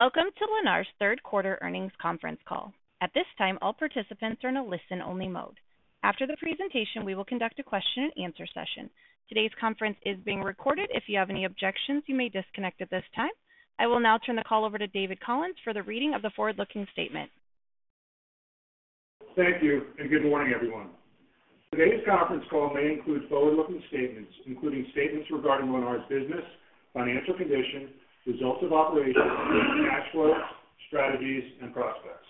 Welcome to Lennar's third quarter earnings conference call. At this time, all participants are in a listen-only mode. After the presentation, we will conduct a question-and-answer session. Today's conference is being recorded. If you have any objections, you may disconnect at this time. I will now turn the call over to David Collins for the reading of the forward-looking statement. Thank you, and good morning, everyone. Today's conference call may include forward-looking statements, including statements regarding Lennar's business, financial condition, results of operations, cash flows, strategies, and prospects.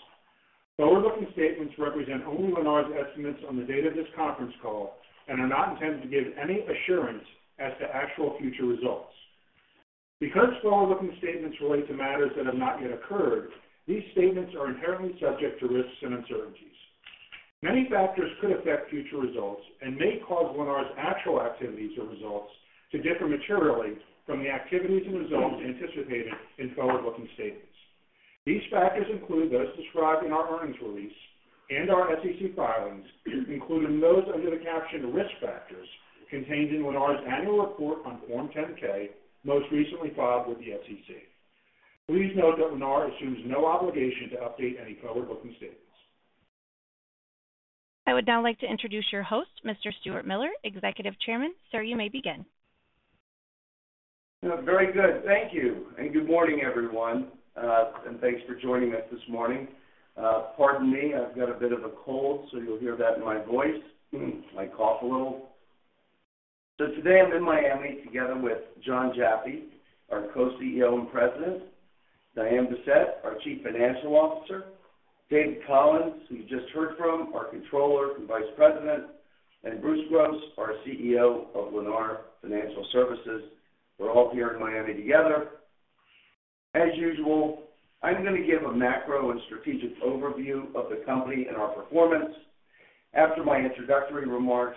Forward-looking statements represent only Lennar's estimates on the date of this conference call and are not intended to give any assurance as to actual future results. Because forward-looking statements relate to matters that have not yet occurred, these statements are inherently subject to risks and uncertainties. Many factors could affect future results and may cause Lennar's actual activities or results to differ materially from the activities and results anticipated in forward-looking statements. These factors include those described in our earnings release and our SEC filings, including those under the caption Risk Factors contained in Lennar's annual report on Form 10-K, most recently filed with the SEC. Please note that Lennar assumes no obligation to update any forward-looking statements. I would now like to introduce your host, Mr. Stuart Miller, Executive Chairman. Sir, you may begin. Very good. Thank you, and good morning, everyone, and thanks for joining us this morning. Pardon me, I've got a bit of a cold, so you'll hear that in my voice, I cough a little. So today, I'm in Miami together with Jon Jaffe, our Co-CEO and President, Diane Bessette, our Chief Financial Officer, David Collins, who you just heard from, our Controller and Vice President, and Bruce Gross, our CEO of Lennar Financial Services. We're all here in Miami together. As usual, I'm going to give a macro and strategic overview of the company and our performance. After my introductory remarks,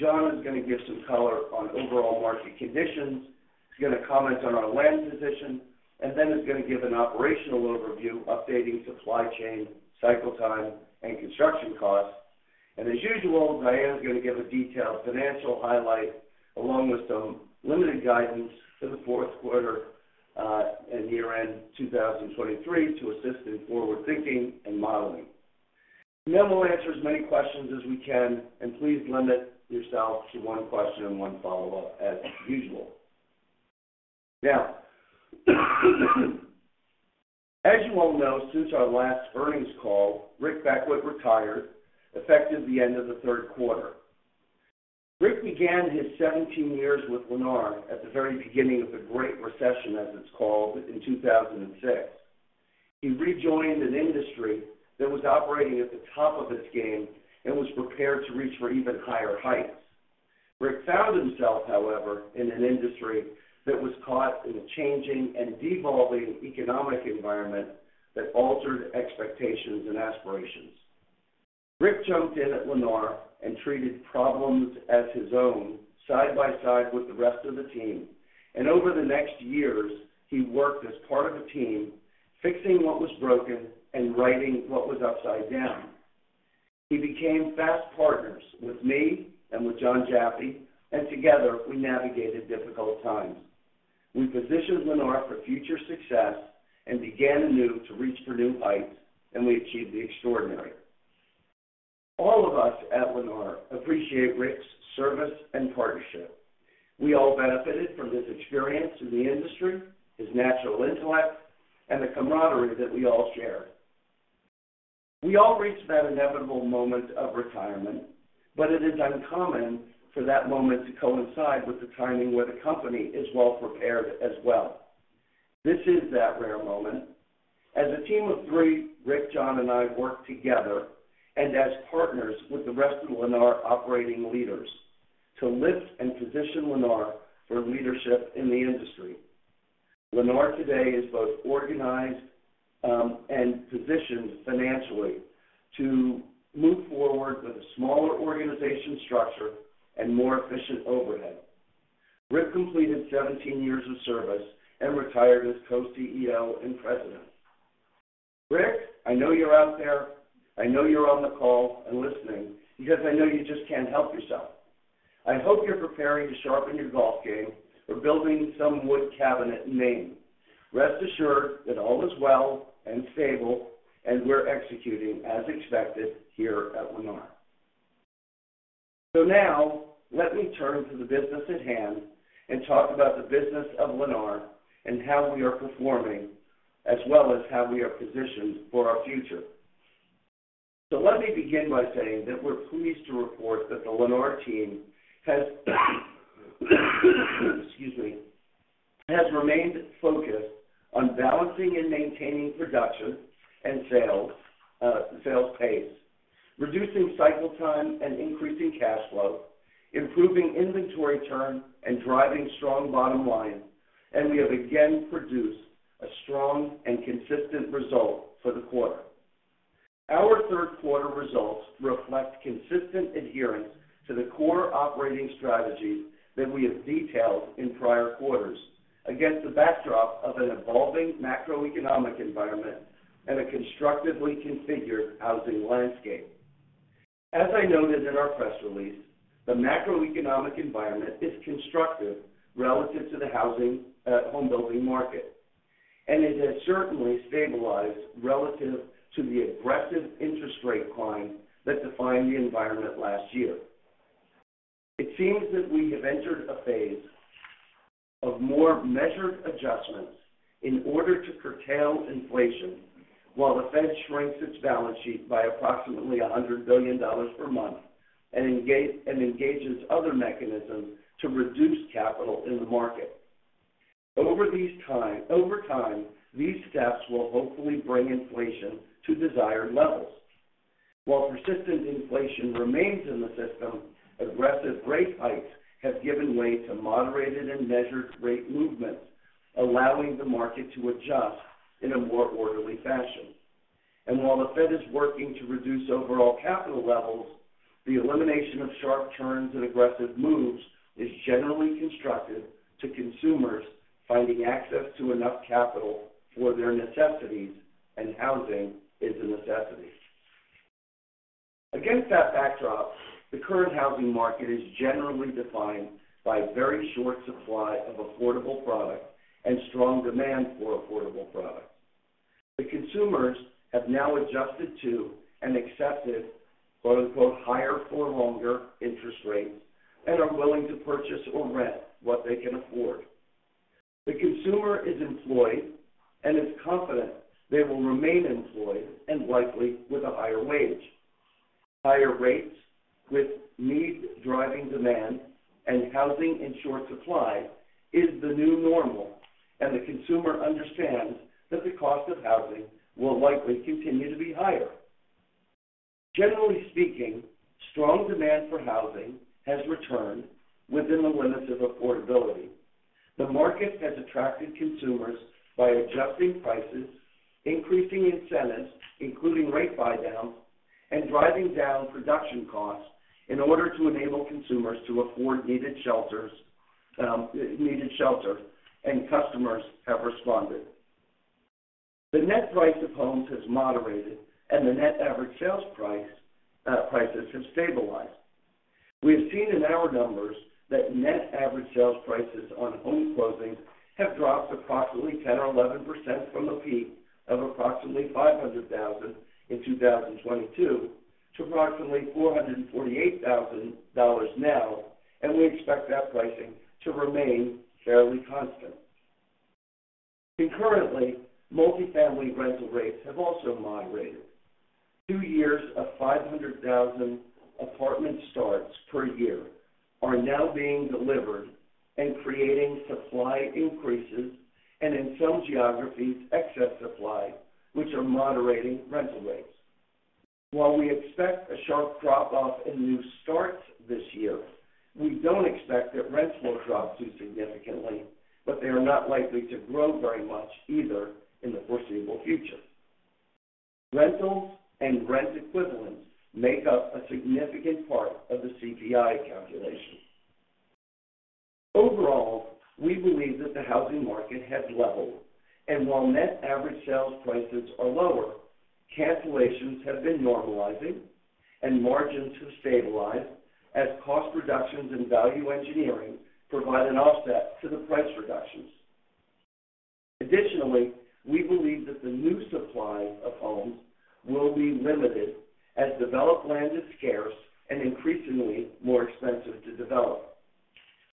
Jon is going to give some color on overall market conditions. He's going to comment on our land position, and then is going to give an operational overview, updating supply chain, cycle time, and construction costs. As usual, Diane is going to give a detailed financial highlight, along with some limited guidance for the fourth quarter and year-end 2023, to assist in forward-thinking and modeling. We'll answer as many questions as we can, and please limit yourself to one question and one follow-up, as usual. Now, as you all know, since our last earnings call, Rick Beckwitt retired, effective the end of the third quarter. Rick began his 17 years with Lennar at the very beginning of the Great Recession, as it's called, in 2006. He rejoined an industry that was operating at the top of its game and was prepared to reach for even higher heights. Rick found himself, however, in an industry that was caught in a changing and devolving economic environment that altered expectations and aspirations. Rick jumped in at Lennar and treated problems as his own, side by side with the rest of the team, and over the next years, he worked as part of a team, fixing what was broken and righting what was upside down. He became fast partners with me and with Jon Jaffe, and together, we navigated difficult times. We positioned Lennar for future success and began anew to reach for new heights, and we achieved the extraordinary. All of us at Lennar appreciate Rick's service and partnership. We all benefited from his experience in the industry, his natural intellect, and the camaraderie that we all share. We all reach that inevitable moment of retirement, but it is uncommon for that moment to coincide with the timing where the company is well-prepared as well. This is that rare moment. As a team of three, Rick, Jon, and I worked together, and as partners with the rest of Lennar operating leaders, to lift and position Lennar for leadership in the industry. Lennar today is both organized and positioned financially to move forward with a smaller organization structure and more efficient overhead. Rick completed 17 years of service and retired as Co-CEO and President. Rick, I know you're out there. I know you're on the call and listening because I know you just can't help yourself. I hope you're preparing to sharpen your golf game or building some wood cabinet in Maine. Rest assured that all is well and stable, and we're executing as expected here at Lennar. So now let me turn to the business at hand and talk about the business of Lennar and how we are performing, as well as how we are positioned for our future. So let me begin by saying that we're pleased to report that the Lennar team has, excuse me, has remained focused on balancing and maintaining production and sales, sales pace, reducing cycle time and increasing cash flow, improving inventory turn, and driving strong bottom line, and we have again produced a strong and consistent result for the quarter. Our third quarter results reflect consistent adherence to the core operating strategies that we have detailed in prior quarters against the backdrop of an evolving macroeconomic environment and a constructively configured housing landscape. As I noted in our press release, the macroeconomic environment is constructive relative to the housing, homebuilding market, and it has certainly stabilized relative to the aggressive interest rate climb that defined the environment last year. It seems that we have entered a phase of more measured adjustments in order to curtail inflation, while the Fed shrinks its balance sheet by approximately $100 billion per month and engages other mechanisms to reduce capital in the market. Over time, these steps will hopefully bring inflation to desired levels. While persistent inflation remains in the system, aggressive rate hikes have given way to moderated and measured rate movements, allowing the market to adjust in a more orderly fashion. While the Fed is working to reduce overall capital levels, the elimination of sharp turns and aggressive moves is generally constructive to consumers finding access to enough capital for their necessities, and housing is a necessity. Against that backdrop, the current housing market is generally defined by a very short supply of affordable product and strong demand for affordable product. The consumers have now adjusted to and accepted, quote, unquote, "higher for longer interest rates," and are willing to purchase or rent what they can afford. The consumer is employed and is confident they will remain employed and likely with a higher wage. Higher rates with needs driving demand and housing in short supply is the new normal, and the consumer understands that the cost of housing will likely continue to be higher. Generally speaking, strong demand for housing has returned within the limits of affordability. The market has attracted consumers by adjusting prices, increasing incentives, including rate buydowns, and driving down production costs in order to enable consumers to afford needed shelters, needed shelter, and customers have responded. The net price of homes has moderated and the net average sales price, prices have stabilized. We have seen in our numbers that net average sales prices on home closings have dropped approximately 10% or 11% from the peak of approximately $500,000 in 2022 to approximately $448,000 now, and we expect that pricing to remain fairly constant. Concurrently, multifamily rental rates have also moderated. Two years of 500,000 apartment starts per year are now being delivered and creating supply increases, and in some geographies, excess supply, which are moderating rental rates. While we expect a sharp drop-off in new starts this year, we don't expect that rents will drop too significantly, but they are not likely to grow very much either in the foreseeable future. Rentals and rent equivalents make up a significant part of the CPI calculation. Overall, we believe that the housing market has leveled, and while net average sales prices are lower, cancellations have been normalizing and margins have stabilized as cost reductions and value engineering provide an offset to the price reductions. Additionally, we believe that the new supply of homes will be limited as developed land is scarce and increasingly more expensive to develop.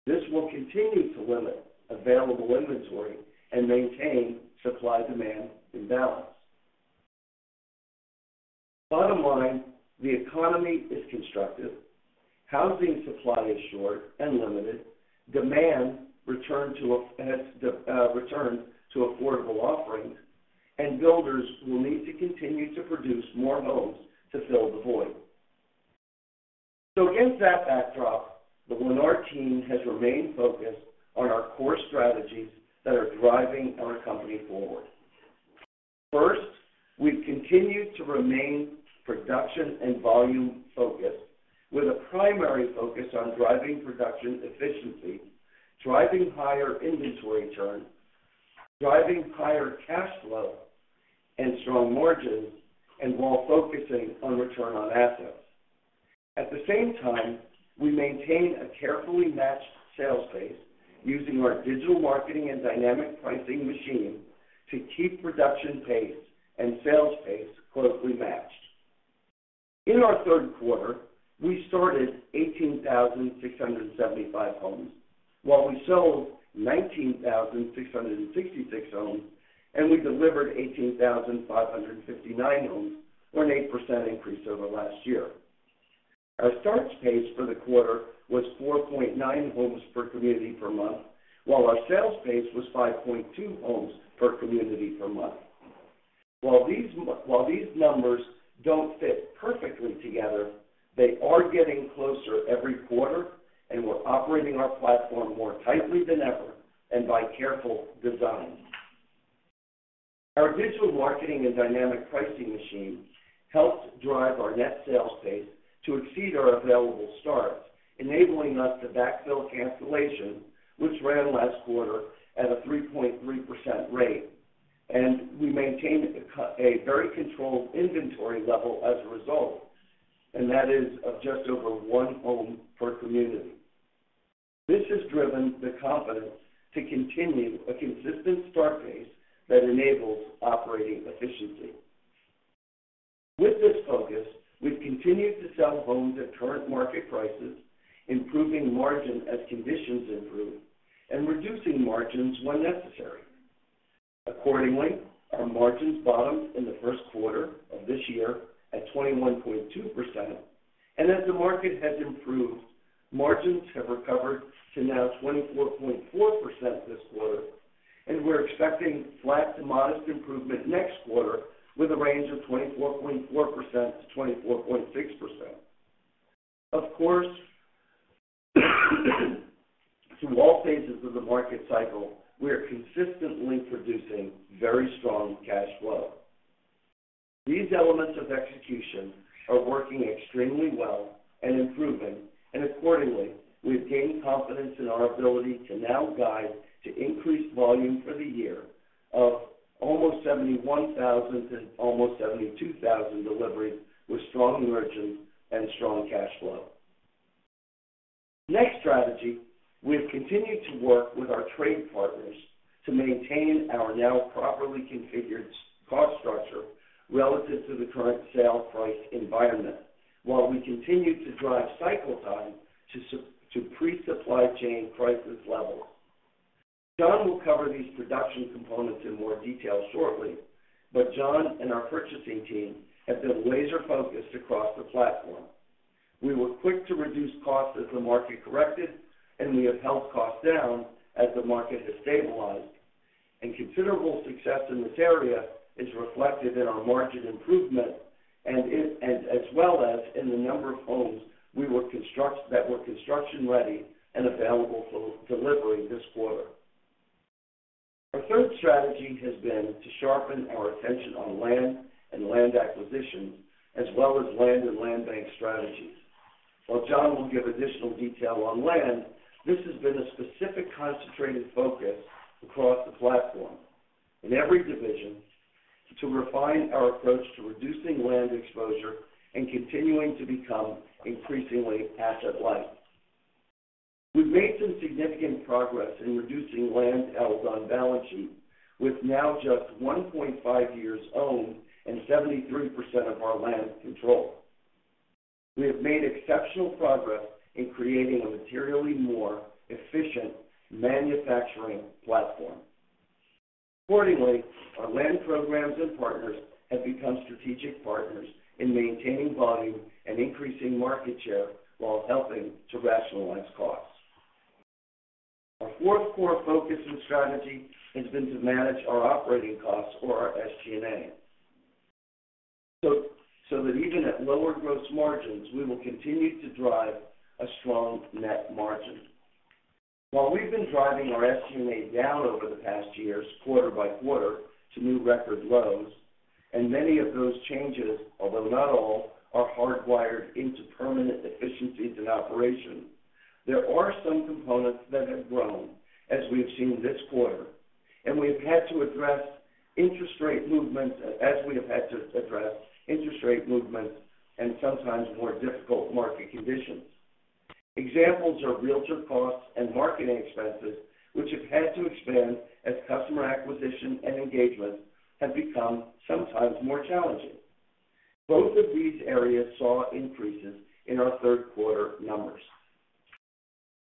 This will continue to limit available inventory and maintain supply-demand imbalance. Bottom line, the economy is constructive. Housing supply is short and limited. Demand has returned to affordable offerings, and builders will need to continue to produce more homes to fill the void. So against that backdrop, the Lennar team has remained focused on our core strategies that are driving our company forward. First, we've continued to remain production and volume focused, with a primary focus on driving production efficiency, driving higher inventory churn, driving higher cash flow and strong margins, and while focusing on return on assets. At the same time, we maintain a carefully matched sales pace using our digital marketing and dynamic pricing machine to keep production pace and sales pace closely matched. In our third quarter, we started 18,675 homes, while we sold 19,666 homes, and we delivered 18,559 homes, an 8% increase over last year. Our starts pace for the quarter was 4.9 homes per community per month, while our sales pace was 5.2 homes per community per month. While these numbers don't fit perfectly together, they are getting closer every quarter, and we're operating our platform more tightly than ever and by careful design. Our digital marketing and dynamic pricing machine helps drive our net sales pace to exceed our available starts, enabling us to backfill cancellation, which ran last quarter at a 3.3% rate, and we maintain a very controlled inventory level as a result, and that is of just over one home per community. This has driven the confidence to continue a consistent start pace that enables operating efficiency. With this focus, we've continued to sell homes at current market prices, improving margin as conditions improve, and reducing margins when necessary. Accordingly, our margins bottomed in the first quarter of this year at 21.2%, and as the market has improved, margins have recovered to now 24.4% this quarter, and we're expecting flat to modest improvement next quarter with a range of 24.4%-24.6%. Of course, through all phases of the market cycle, we are consistently producing very strong cash flow. These elements of execution are working extremely well and improving, and accordingly, we've gained confidence in our ability to now guide to increase volume for the year of almost 71,000 and almost 72,000 deliveries, with strong margins and strong cash flow. Next strategy, we've continued to work with our trade partners to maintain our now properly configured cost structure relative to the current sale price environment, while we continue to drive cycle time to pre-supply chain crisis levels. Jon will cover these production components in more detail shortly, but Jon and our purchasing team have been laser-focused across the platform. We were quick to reduce costs as the market corrected, and we have held costs down as the market has stabilized. Considerable success in this area is reflected in our margin improvement, and as well as in the number of homes that were construction-ready and available for delivery this quarter. Our third strategy has been to sharpen our attention on land and land acquisition, as well as land and land bank strategies. While Jon will give additional detail on land, this has been a specific concentrated focus across the platform in every division to refine our approach to reducing land exposure and continuing to become increasingly asset-light. We've made some significant progress in reducing land held on balance sheet, with now just 1.5 years owned and 73% of our land controlled. We have made exceptional progress in creating a materially more efficient manufacturing platform. Accordingly, our land programs and partners have become strategic partners in maintaining volume and increasing market share while helping to rationalize costs. Our fourth core focus and strategy has been to manage our operating costs or our SG&A. So, that even at lower gross margins, we will continue to drive a strong net margin. While we've been driving our SG&A down over the past years, quarter-by-quarter, to new record lows, and many of those changes, although not all, are hardwired into permanent efficiencies in operation, there are some components that have grown, as we have seen this quarter. And we've had to address interest rate movements, as we have had to address interest rate movements and sometimes more difficult market conditions. Examples are Realtor costs and marketing expenses, which have had to expand as customer acquisition and engagement have become sometimes more challenging. Both of these areas saw increases in our third quarter numbers.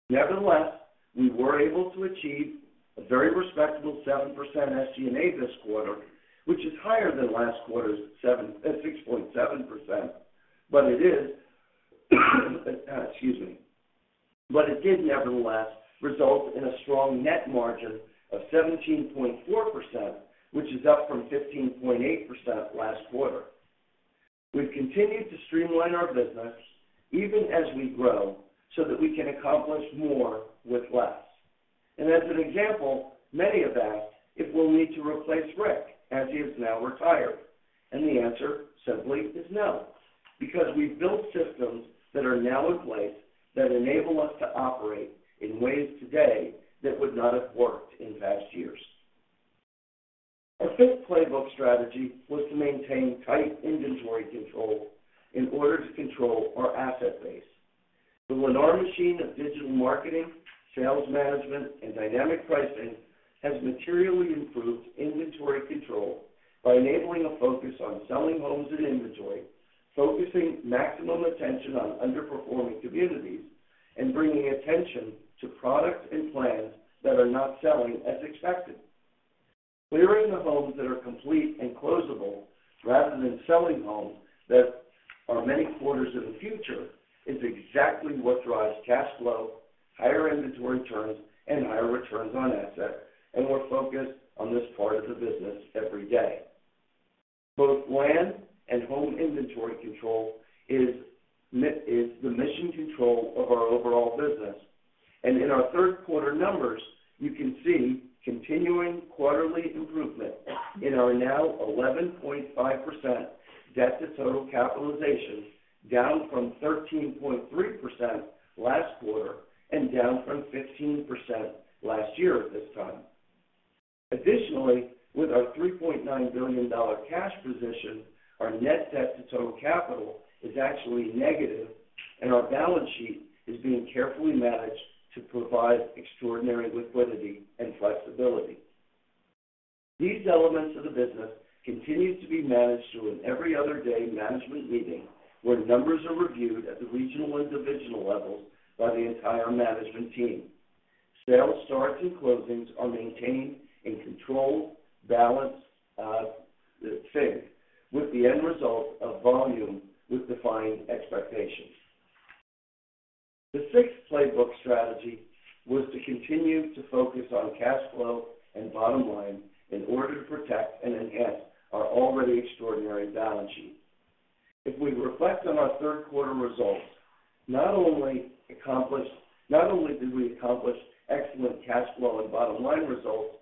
Nevertheless, we were able to achieve a very respectable 7% SG&A this quarter, which is higher than last quarter's 7%, 6.7%, but it is, excuse me. But it did nevertheless result in a strong net margin of 17.4%, which is up from 15.8% last quarter. We've continued to streamline our business even as we grow, so that we can accomplish more with less. As an example, many have asked if we'll need to replace Rick, as he is now retired. The answer simply is no, because we've built systems that are now in place that enable us to operate in ways today that would not have worked in past years. Our fifth playbook strategy was to maintain tight inventory control in order to control our asset base. The Lennar machine of digital marketing, sales management, and dynamic pricing has materially improved inventory control by enabling a focus on selling homes and inventory, focusing maximum attention on underperforming communities, and bringing attention to products and plans that are not selling as expected. Clearing the homes that are complete and closable, rather than selling homes that are many quarters in the future, is exactly what drives cash flow, higher inventory turns, and higher returns on asset, and we're focused on this part of the business every day. Both land and home inventory control is the mission control of our overall business, and in our third quarter numbers, you can see continuing quarterly improvement in our now 11.5% debt to total capitalization, down from 13.3% last quarter and down from 15% last year at this time. Additionally, with our $3.9 billion cash position, our net debt to total capital is actually negative, and our balance sheet is being carefully managed to provide extraordinary liquidity and flexibility. These elements of the business continue to be managed through an every other day management meeting, where numbers are reviewed at the regional and divisional levels by the entire management team. Sales starts and closings are maintained in controlled balance, sync, with the end result of volume with defined expectations. The sixth playbook strategy was to continue to focus on cash flow and bottom line in order to protect and enhance our already extraordinary balance sheet. If we reflect on our third quarter results, not only did we accomplish excellent cash flow and bottom line results,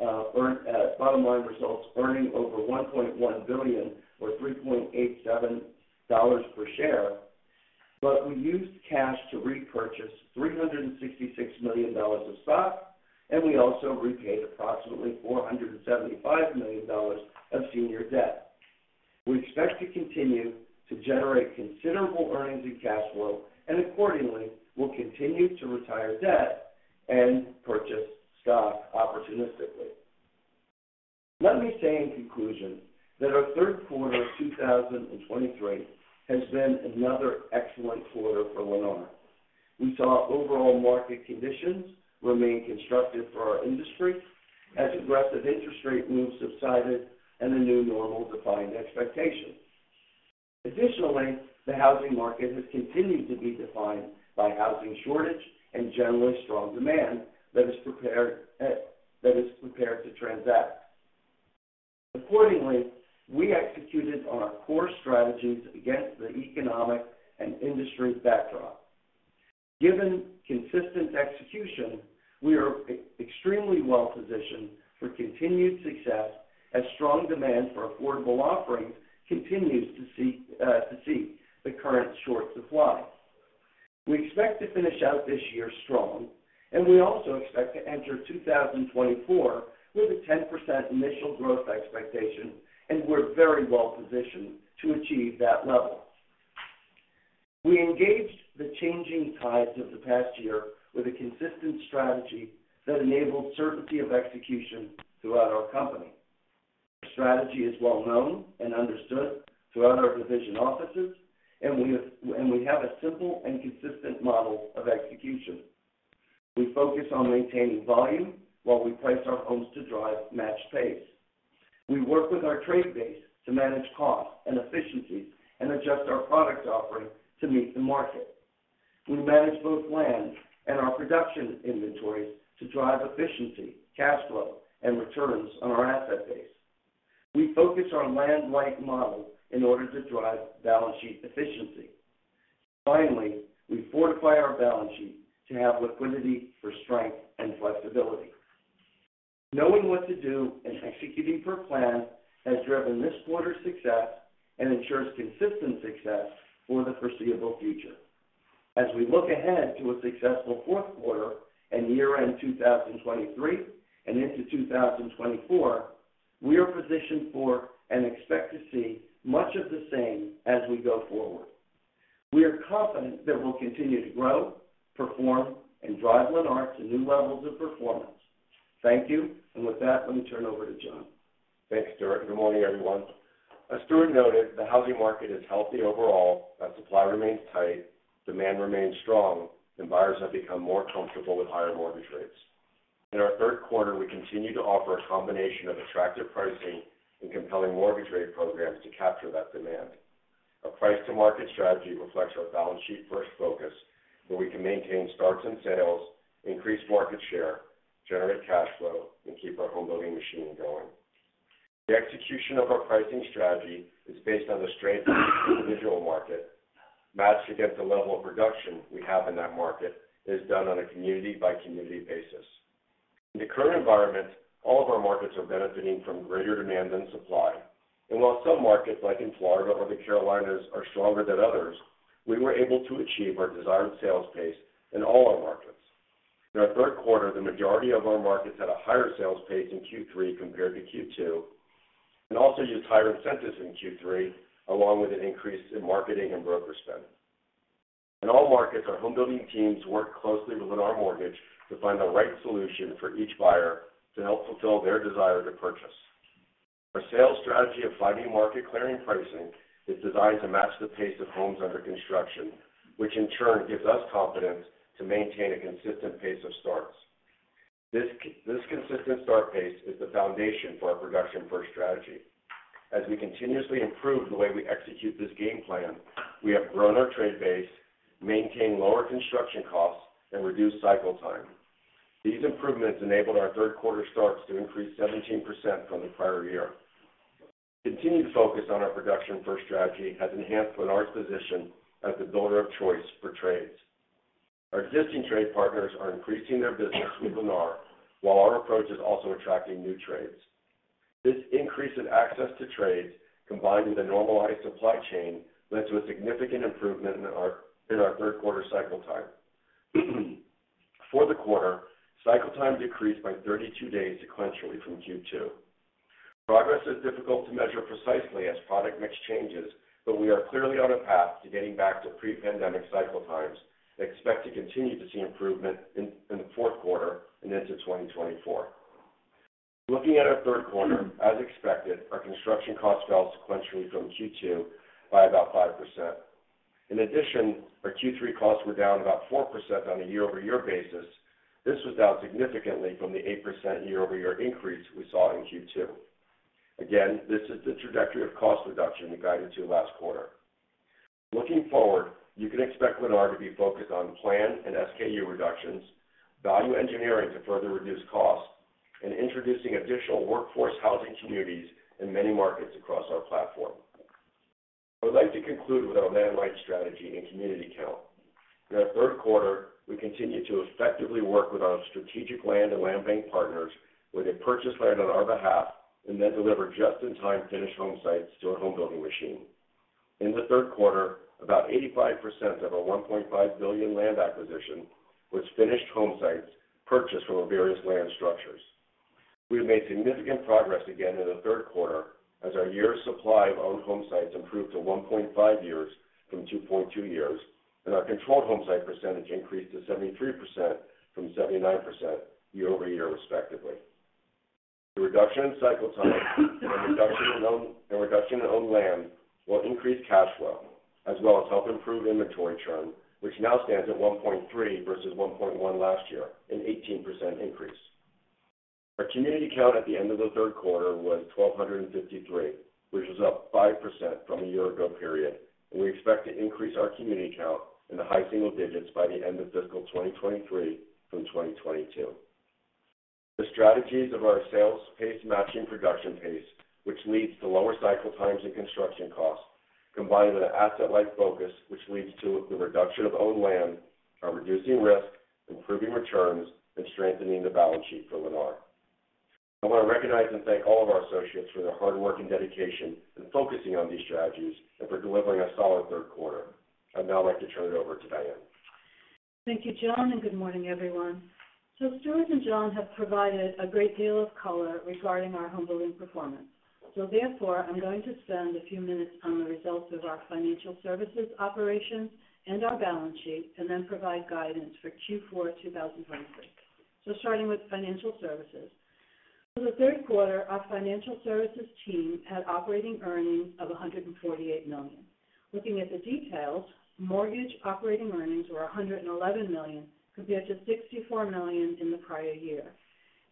earned bottom line results, earning over $1.1 billion or $3.87 per share, but we used cash to repurchase $366 million of stock, and we also repaid approximately $475 million of senior debt. We expect to continue to generate considerable earnings and cash flow, and accordingly, will continue to retire debt and purchase stock opportunistically. Let me say in conclusion that our third quarter of 2023 has been another excellent quarter for Lennar. We saw overall market conditions remain constructive for our industry as aggressive interest rate moves subsided and the new normal defined expectations. Additionally, the housing market has continued to be defined by housing shortage and generally strong demand that is prepared to transact. Accordingly, we executed on our core strategies against the economic and industry backdrop. Given consistent execution, we are extremely well-positioned for continued success as strong demand for affordable offerings continues to seek the current short supply. We expect to finish out this year strong, and we also expect to enter 2024 with a 10% initial growth expectation, and we're very well positioned to achieve that level. We engaged the changing tides of the past year with a consistent strategy that enabled certainty of execution throughout our company. Our strategy is well known and understood throughout our division offices, and we have a simple and consistent model of execution. We focus on maintaining volume while we price our homes to drive match pace. We work with our trade base to manage costs and efficiency and adjust our product offering to meet the market. We manage both land and our production inventories to drive efficiency, cash flow, and returns on our asset base. We focus on land-light model in order to drive balance sheet efficiency. Finally, we fortify our balance sheet to have liquidity for strength and flexibility. Knowing what to do and executing per plan has driven this quarter's success and ensures consistent success for the foreseeable future. As we look ahead to a successful fourth quarter and year-end 2023 and into 2024, we are positioned for and expect to see much of the same as we go forward. We are confident that we'll continue to grow, perform, and drive Lennar to new levels of performance. Thank you, and with that, let me turn it over to Jon. Thanks, Stuart, and good morning, everyone. As Stuart noted, the housing market is healthy overall, as supply remains tight, demand remains strong, and buyers have become more comfortable with higher mortgage rates. In our third quarter, we continued to offer a combination of attractive pricing and compelling mortgage rate programs to capture that demand. Our price to market strategy reflects our balance sheet-first focus, where we can maintain starts and sales, increase market share, generate cash flow, and keep our homebuilding machine going. The execution of our pricing strategy is based on the strength of the individual market, matched against the level of production we have in that market, and is done on a community-by-community basis. In the current environment, all of our markets are benefiting from greater demand than supply. And while some markets, like in Florida or the Carolinas, are stronger than others, we were able to achieve our desired sales pace in all our markets. In our third quarter, the majority of our markets had a higher sales pace in Q3 compared to Q2, and also used higher incentives in Q3, along with an increase in marketing and broker spend. In all markets, our homebuilding teams work closely with Lennar Mortgage to find the right solution for each buyer to help fulfill their desire to purchase. Our sales strategy of finding market clearing pricing is designed to match the pace of homes under construction, which in turn gives us confidence to maintain a consistent pace of starts. This consistent start pace is the foundation for our production-first strategy. As we continuously improve the way we execute this game plan, we have grown our trade base, maintained lower construction costs, and reduced cycle time. These improvements enabled our third quarter starts to increase 17% from the prior year. Continued focus on our production-first strategy has enhanced Lennar's position as the builder of choice for trades. Our existing trade partners are increasing their business with Lennar, while our approach is also attracting new trades. This increase in access to trades, combined with a normalized supply chain, led to a significant improvement in our third quarter cycle time. For the quarter, cycle time decreased by 32 days sequentially from Q2. Progress is difficult to measure precisely as product mix changes, but we are clearly on a path to getting back to pre-pandemic cycle times, and expect to continue to see improvement in the fourth quarter and into 2024. Looking at our third quarter, as expected, our construction costs fell sequentially from Q2 by about 5%. In addition, our Q3 costs were down about 4% on a year-over-year basis. This was down significantly from the 8% year-over-year increase we saw in Q2. Again, this is the trajectory of cost reduction we guided to last quarter. Looking forward, you can expect Lennar to be focused on plan and SKU reductions, value engineering to further reduce costs, and introducing additional workforce housing communities in many markets across our platform. I would like to conclude with our land-light strategy and community count. In our third quarter, we continued to effectively work with our strategic land and land bank partners, where they purchase land on our behalf and then deliver just-in-time finished homesites to our homebuilding machine. In the third quarter, about 85% of our $1.5 billion land acquisition was finished homesites purchased from our various land structures. We have made significant progress again in the third quarter, as our years' supply of owned homesites improved to 1.5 years from 2.2 years, and our controlled homesite percentage increased to 73% from 79% year-over-year, respectively. The reduction in cycle time and reduction in owned land will increase cash flow as well as help improve inventory churn, which now stands at 1.3 versus 1.1 last year, an 18% increase. Our community count at the end of the third quarter was 1,253, which was up 5% from a year ago period, and we expect to increase our community count in the high single digits by the end of fiscal 2023 from 2022. The strategies of our sales pace matching production pace, which leads to lower cycle times and construction costs, combined with an asset-light focus, which leads to the reduction of owned land, are reducing risk, improving returns, and strengthening the balance sheet for Lennar. I want to recognize and thank all of our associates for their hard work and dedication in focusing on these strategies and for delivering a solid third quarter. I'd now like to turn it over to Diane. Thank you, Jon, and good morning, everyone. So Stuart and Jon have provided a great deal of color regarding our homebuilding performance. So therefore, I'm going to spend a few minutes on the results of our financial services operations and our balance sheet, and then provide guidance for Q4 2023. So starting with financial services. For the third quarter, our financial services team had operating earnings of $148 million. Looking at the details, mortgage operating earnings were $111 million, compared to $64 million in the prior year.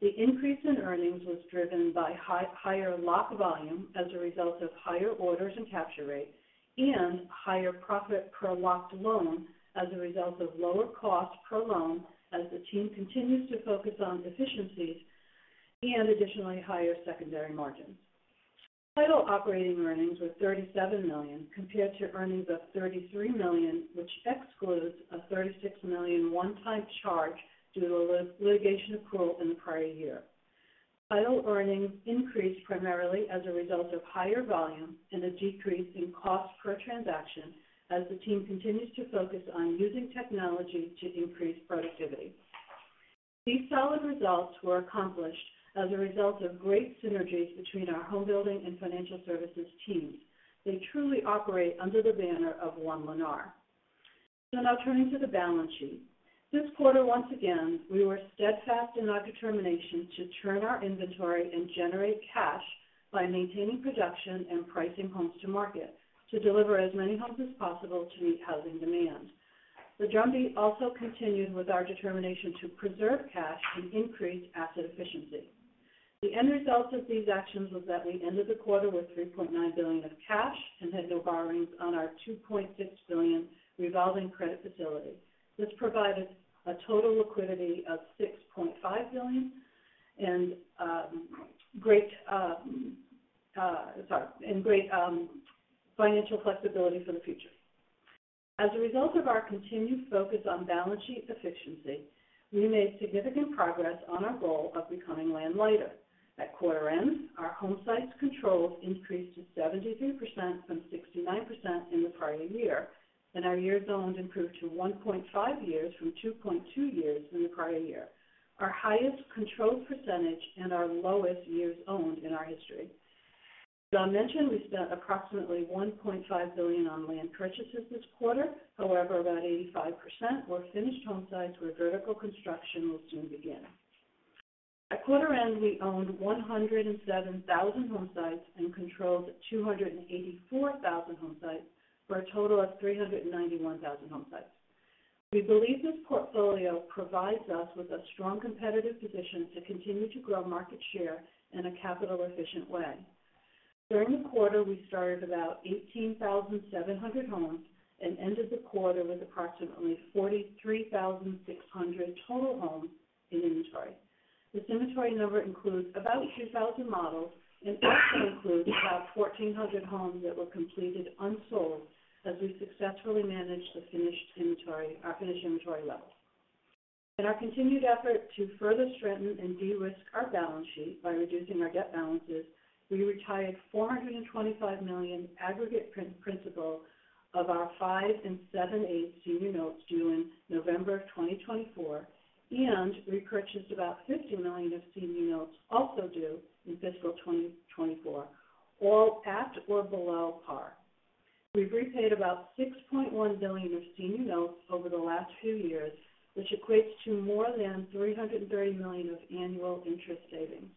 The increase in earnings was driven by higher lock volume as a result of higher orders and capture rates, and higher profit per locked loan as a result of lower cost per loan as the team continues to focus on efficiencies and additionally, higher secondary margins. Title operating earnings were $37 million, compared to earnings of $33 million, which excludes a $36 million one-time charge due to a litigation accrual in the prior year. Title earnings increased primarily as a result of higher volume and a decrease in cost per transaction, as the team continues to focus on using technology to increase productivity. These solid results were accomplished as a result of great synergies between our homebuilding and financial services teams. They truly operate under the banner of One Lennar. So now turning to the balance sheet. This quarter, once again, we were steadfast in our determination to turn our inventory and generate cash by maintaining production and pricing homes to market, to deliver as many homes as possible to meet housing demand. The drumbeat also continued with our determination to preserve cash and increase asset efficiency. The end result of these actions was that we ended the quarter with $3.9 billion of cash and had no borrowings on our $2.6 billion revolving credit facility, which provided a total liquidity of $6.5 billion and great financial flexibility for the future. As a result of our continued focus on balance sheet efficiency, we made significant progress on our goal of becoming land-light. At quarter end, our homesites controlled increased to 73% from 69% in the prior year, and our years owned improved to 1.5 years from 2.2 years in the prior year, our highest controlled percentage and our lowest years owned in our history. As Jon mentioned, we spent approximately $1.5 billion on land purchases this quarter. However, about 85% were finished homesites where vertical construction will soon begin. At quarter end, we owned 107,000 homesites and controlled 284,000 homesites, for a total of 391,000 homesites. We believe this portfolio provides us with a strong competitive position to continue to grow market share in a capital-efficient way. During the quarter, we started about 18,700 homes and ended the quarter with approximately 43,600 total homes in inventory. This inventory number includes about 2,000 models and also includes about 1,400 homes that were completed unsold, as we successfully managed the finished inventory, our finished inventory level. In our continued effort to further strengthen and de-risk our balance sheet by reducing our debt balances, we retired $425 million aggregate principal of our 5 7/8 senior notes due in November of 2024, and repurchased about $50 million of senior notes, also due in fiscal 2024, all at or below par. We've repaid about $6.1 billion of senior notes over the last few years, which equates to more than $330 million of annual interest savings.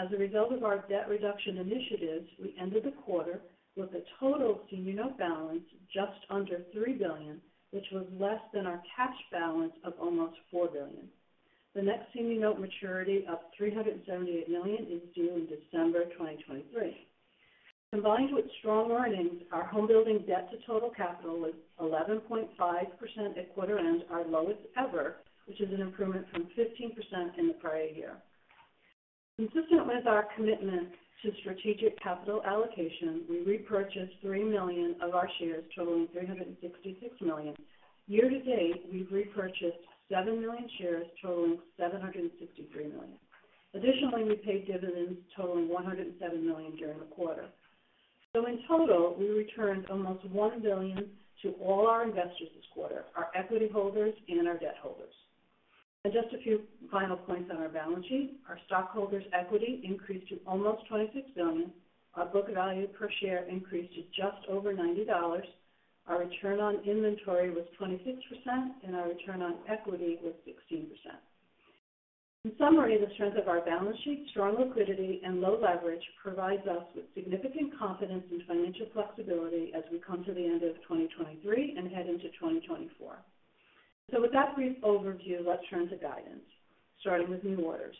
As a result of our debt reduction initiatives, we ended the quarter with a total senior note balance just under $3 billion, which was less than our cash balance of almost $4 billion. The next senior note maturity of $378 million is due in December 2023. Combined with strong earnings, our homebuilding debt to total capital was 11.5% at quarter end, our lowest ever, which is an improvement from 15% in the prior year. Consistent with our commitment to strategic capital allocation, we repurchased 3 million of our shares, totaling $366 million. Year-to-date, we've repurchased 7 million shares, totaling $763 million. Additionally, we paid dividends totaling $107 million during the quarter. So in total, we returned almost $1 billion to all our investors this quarter, our equity holders and our debt holders. Just a few final points on our balance sheet. Our stockholders' equity increased to almost $26 billion. Our book value per share increased to just over $90. Our return on inventory was 26%, and our return on equity was 16%. In summary, the strength of our balance sheet, strong liquidity, and low leverage provides us with significant confidence and financial flexibility as we come to the end of 2023 and head into 2024. So with that brief overview, let's turn to guidance, starting with new orders.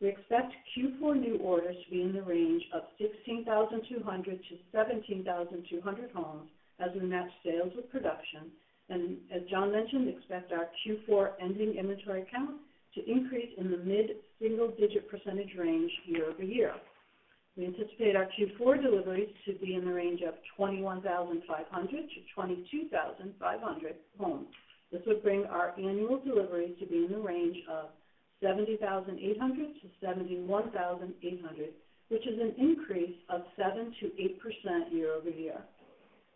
We expect Q4 new orders to be in the range of 16,200-17,200 homes, as we match sales with production, and as Jon mentioned, expect our Q4 ending inventory count to increase in the mid-single-digit percentage range year-over-year. We anticipate our Q4 deliveries to be in the range of 21,500-22,500 homes. This would bring our annual deliveries to be in the range of 70,800-71,800, which is an increase of 7%-8% year-over-year.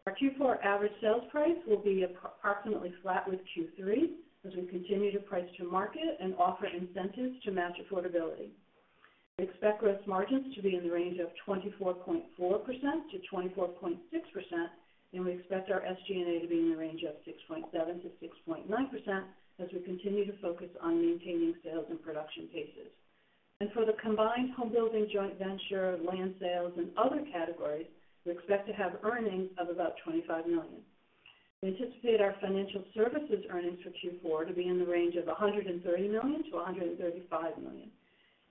Our Q4 average sales price will be approximately flat with Q3 as we continue to price to market and offer incentives to match affordability. We expect gross margins to be in the range of 24.4%-24.6%, and we expect our SG&A to be in the range of 6.7%-6.9%, as we continue to focus on maintaining sales and production paces. And for the combined homebuilding joint venture, land sales, and other categories, we expect to have earnings of about $25 million. We anticipate our financial services earnings for Q4 to be in the range of $130 million-$135 million.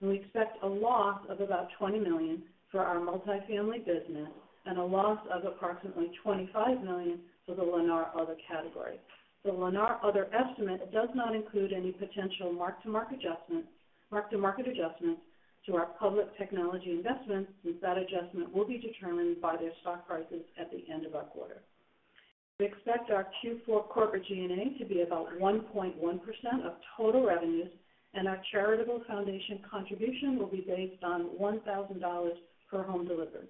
We expect a loss of about $20 million for our multifamily business and a loss of approximately $25 million for the Lennar Other category. The Lennar Other estimate does not include any potential mark-to-market adjustment, mark-to-market adjustments to our public technology investments, since that adjustment will be determined by their stock prices at the end of our quarter. We expect our Q4 corporate G&A to be about 1.1% of total revenues, and our charitable foundation contribution will be based on $1,000 per home delivered.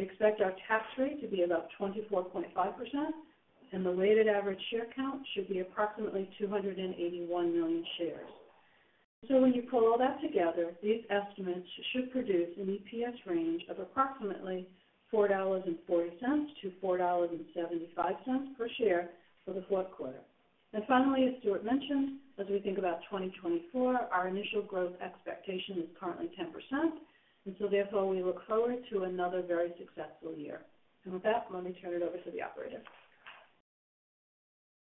We expect our tax rate to be about 24.5%, and the weighted average share count should be approximately 281 million shares. When you pull all that together, these estimates should produce an EPS range of approximately $4.40-$4.75 per share for the fourth quarter. Finally, as Stuart mentioned, as we think about 2024, our initial growth expectation is currently 10%, and so therefore, we look forward to another very successful year. With that, let me turn it over to the operator.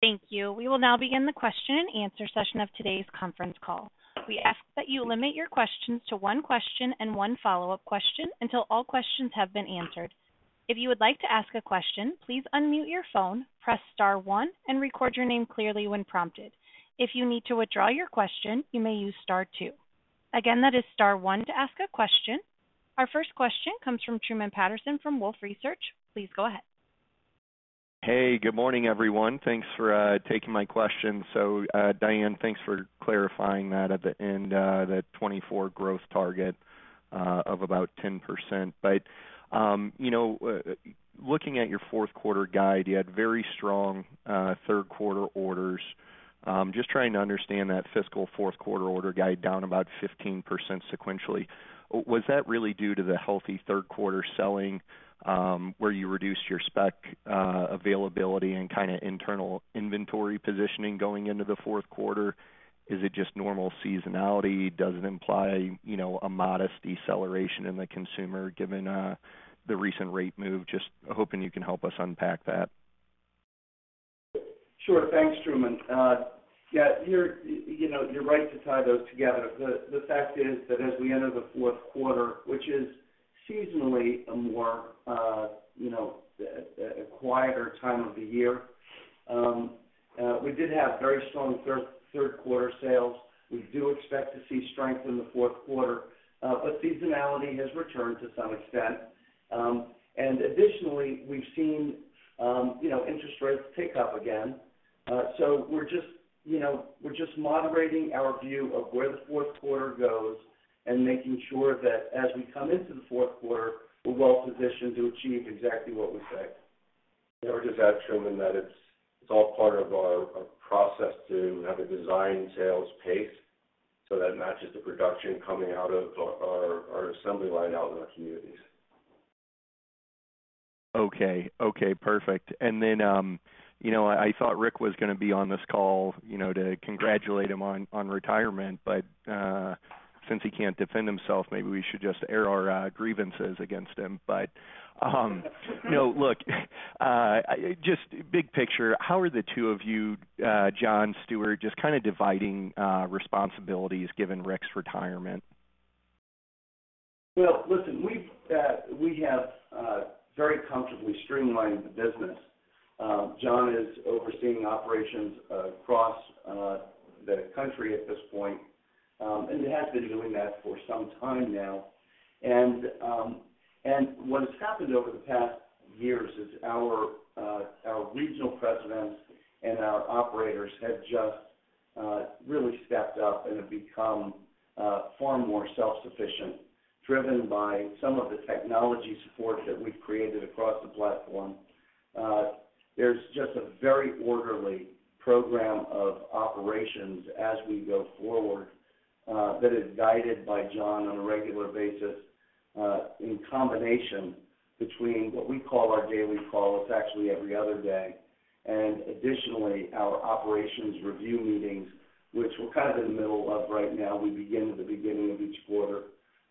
Thank you. We will now begin the question-and-answer session of today's conference call. We ask that you limit your questions to one question and one follow-up question until all questions have been answered. If you would like to ask a question, please unmute your phone, press star one, and record your name clearly when prompted. If you need to withdraw your question, you may use star two. Again, that is star one to ask a question. Our first question comes from Truman Patterson from Wolfe Research. Please go ahead. Hey, good morning, everyone. Thanks for taking my question. So, Diane, thanks for clarifying that at the end, the 2024 growth target of about 10%. But, you know, looking at your fourth quarter guide, you had very strong third quarter orders. Just trying to understand that fiscal fourth quarter order guide down about 15% sequentially. Was that really due to the healthy third quarter selling, where you reduced your spec availability and kind of internal inventory positioning going into the fourth quarter? Is it just normal seasonality? Does it imply, you know, a modest deceleration in the consumer, given the recent rate move? Just hoping you can help us unpack that. Sure. Thanks, Truman. Yeah, you're, you know, you're right to tie those together. The fact is that as we enter the fourth quarter, which is seasonally a more, you know, a quieter time of the year, we did have very strong third quarter sales. We do expect to see strength in the fourth quarter, but seasonality has returned to some extent. And additionally, we've seen, you know, interest rates tick up again. So we're just, you know, we're just moderating our view of where the fourth quarter goes and making sure that as we come into the fourth quarter, we're well positioned to achieve exactly what we say. I would just add, Truman, that it's, it's all part of our, our process to have a design sales pace so that it matches the production coming out of our, our assembly line out in our communities. Okay. Okay, perfect. And then, you know, I thought Rick was going to be on this call, you know, to congratulate him on, on retirement, but since he can't defend himself, maybe we should just air our grievances against him. But, you know, look, just big picture, how are the two of you, Jon, Stuart, just kind of dividing responsibilities given Rick's retirement? Well, listen, we've, we have very comfortably streamlined the business. Jon is overseeing operations across the country at this point, and has been doing that for some time now. And, and what has happened over the past years is our, our regional presidents and our operators have just really stepped up and have become far more self-sufficient, driven by some of the technology support that we've created across the platform. There's just a very orderly program of operations as we go forward, that is guided by Jon on a regular basis, in combination between what we call our daily call, it's actually every other day, and additionally, our operations review meetings, which we're kind of in the middle of right now. We begin at the beginning of each quarter.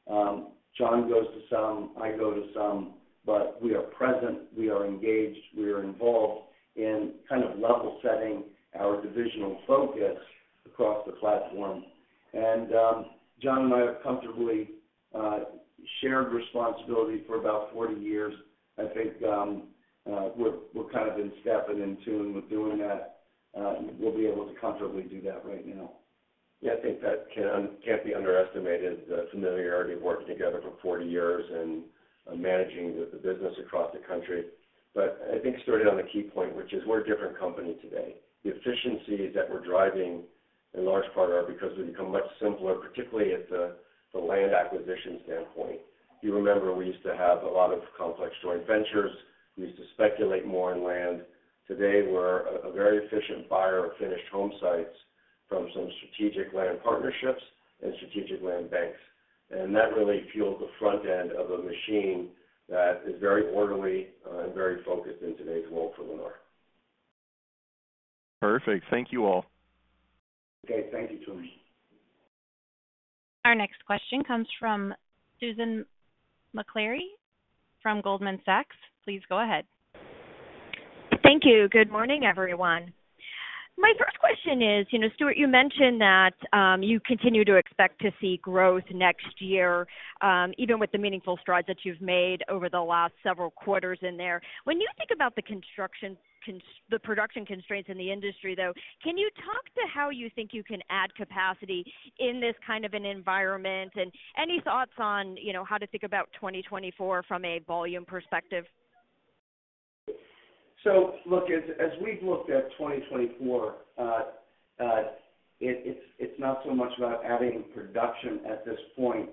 Jon goes to some, I go to some, but we are present, we are engaged, we are involved in kind of level setting our divisional focus across the platform. And, Jon and I have comfortably shared responsibility for about 40 years. I think, we're kind of in step and in tune with doing that. We'll be able to comfortably do that right now. Yeah, I think that can't be underestimated, the familiarity of working together for 40 years and managing the business across the country. But I think Stuart hit on the key point, which is we're a different company today. The efficiencies that we're driving in large part are because we've become much simpler, particularly at the land acquisition standpoint. You remember we used to have a lot of complex joint ventures. We used to speculate more on land. Today, we're a very efficient buyer of finished homesites from some strategic land partnerships and strategic land banks, and that really fuels the front end of a machine that is very orderly and very focused in today's world for Lennar. Perfect. Thank you, all. Okay. Thank you, Truman. Our next question comes from Susan Maklari from Goldman Sachs. Please go ahead. Thank you. Good morning, everyone. My first question is, you know, Stuart, you mentioned that you continue to expect to see growth next year, even with the meaningful strides that you've made over the last several quarters in there. When you think about the construction the production constraints in the industry, though, can you talk to how you think you can add capacity in this kind of an environment? And any thoughts on, you know, how to think about 2024 from a volume perspective? So look, as we've looked at 2024, it's not so much about adding production at this point.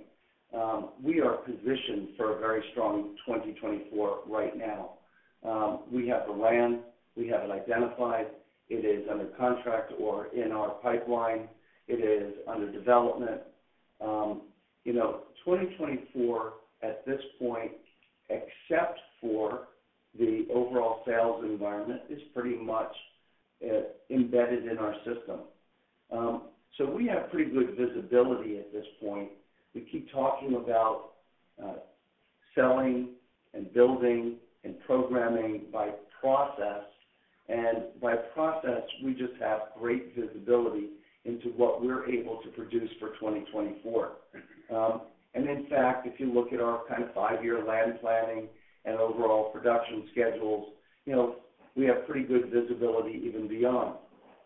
We are positioned for a very strong 2024 right now. We have the land, we have it identified, it is under contract or in our pipeline, it is under development. You know, 2024, at this point, except for the overall sales environment, is pretty much embedded in our system. So we have pretty good visibility at this point. We keep talking about selling and building and programming by process, and by process, we just have great visibility into what we're able to produce for 2024. And in fact, if you look at our kind of five-year land planning and overall production schedules, you know, we have pretty good visibility even beyond.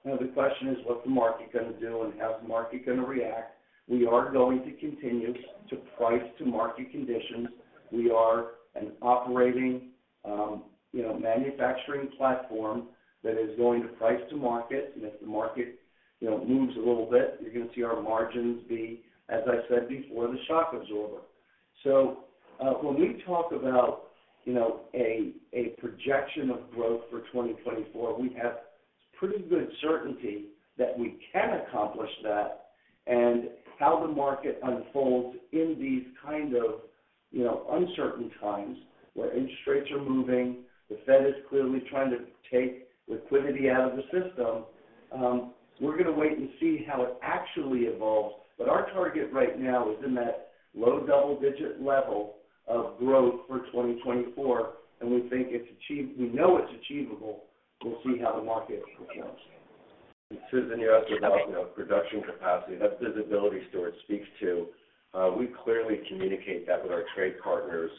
Now, the question is, what's the market going to do and how's the market going to react? We are going to continue to price to market conditions. We are an operating, you know, manufacturing platform that is going to price to market. And if the market, you know, moves a little bit, you're going to see our margins be, as I said before, the shock absorber. So, when we talk about, you know, a projection of growth for 2024, we have pretty good certainty that we can accomplish that. And how the market unfolds in these kind of, you know, uncertain times, where interest rates are moving, the Fed is clearly trying to take liquidity out of the system, we're going to wait and see how it actually evolves. But our target right now is in that low double-digit level of growth for 2024, and we think it's we know it's achievable. We'll see how the market performs. Susan, you asked about, you know, production capacity. That visibility Stuart speaks to- ...we clearly communicate that with our trade partners,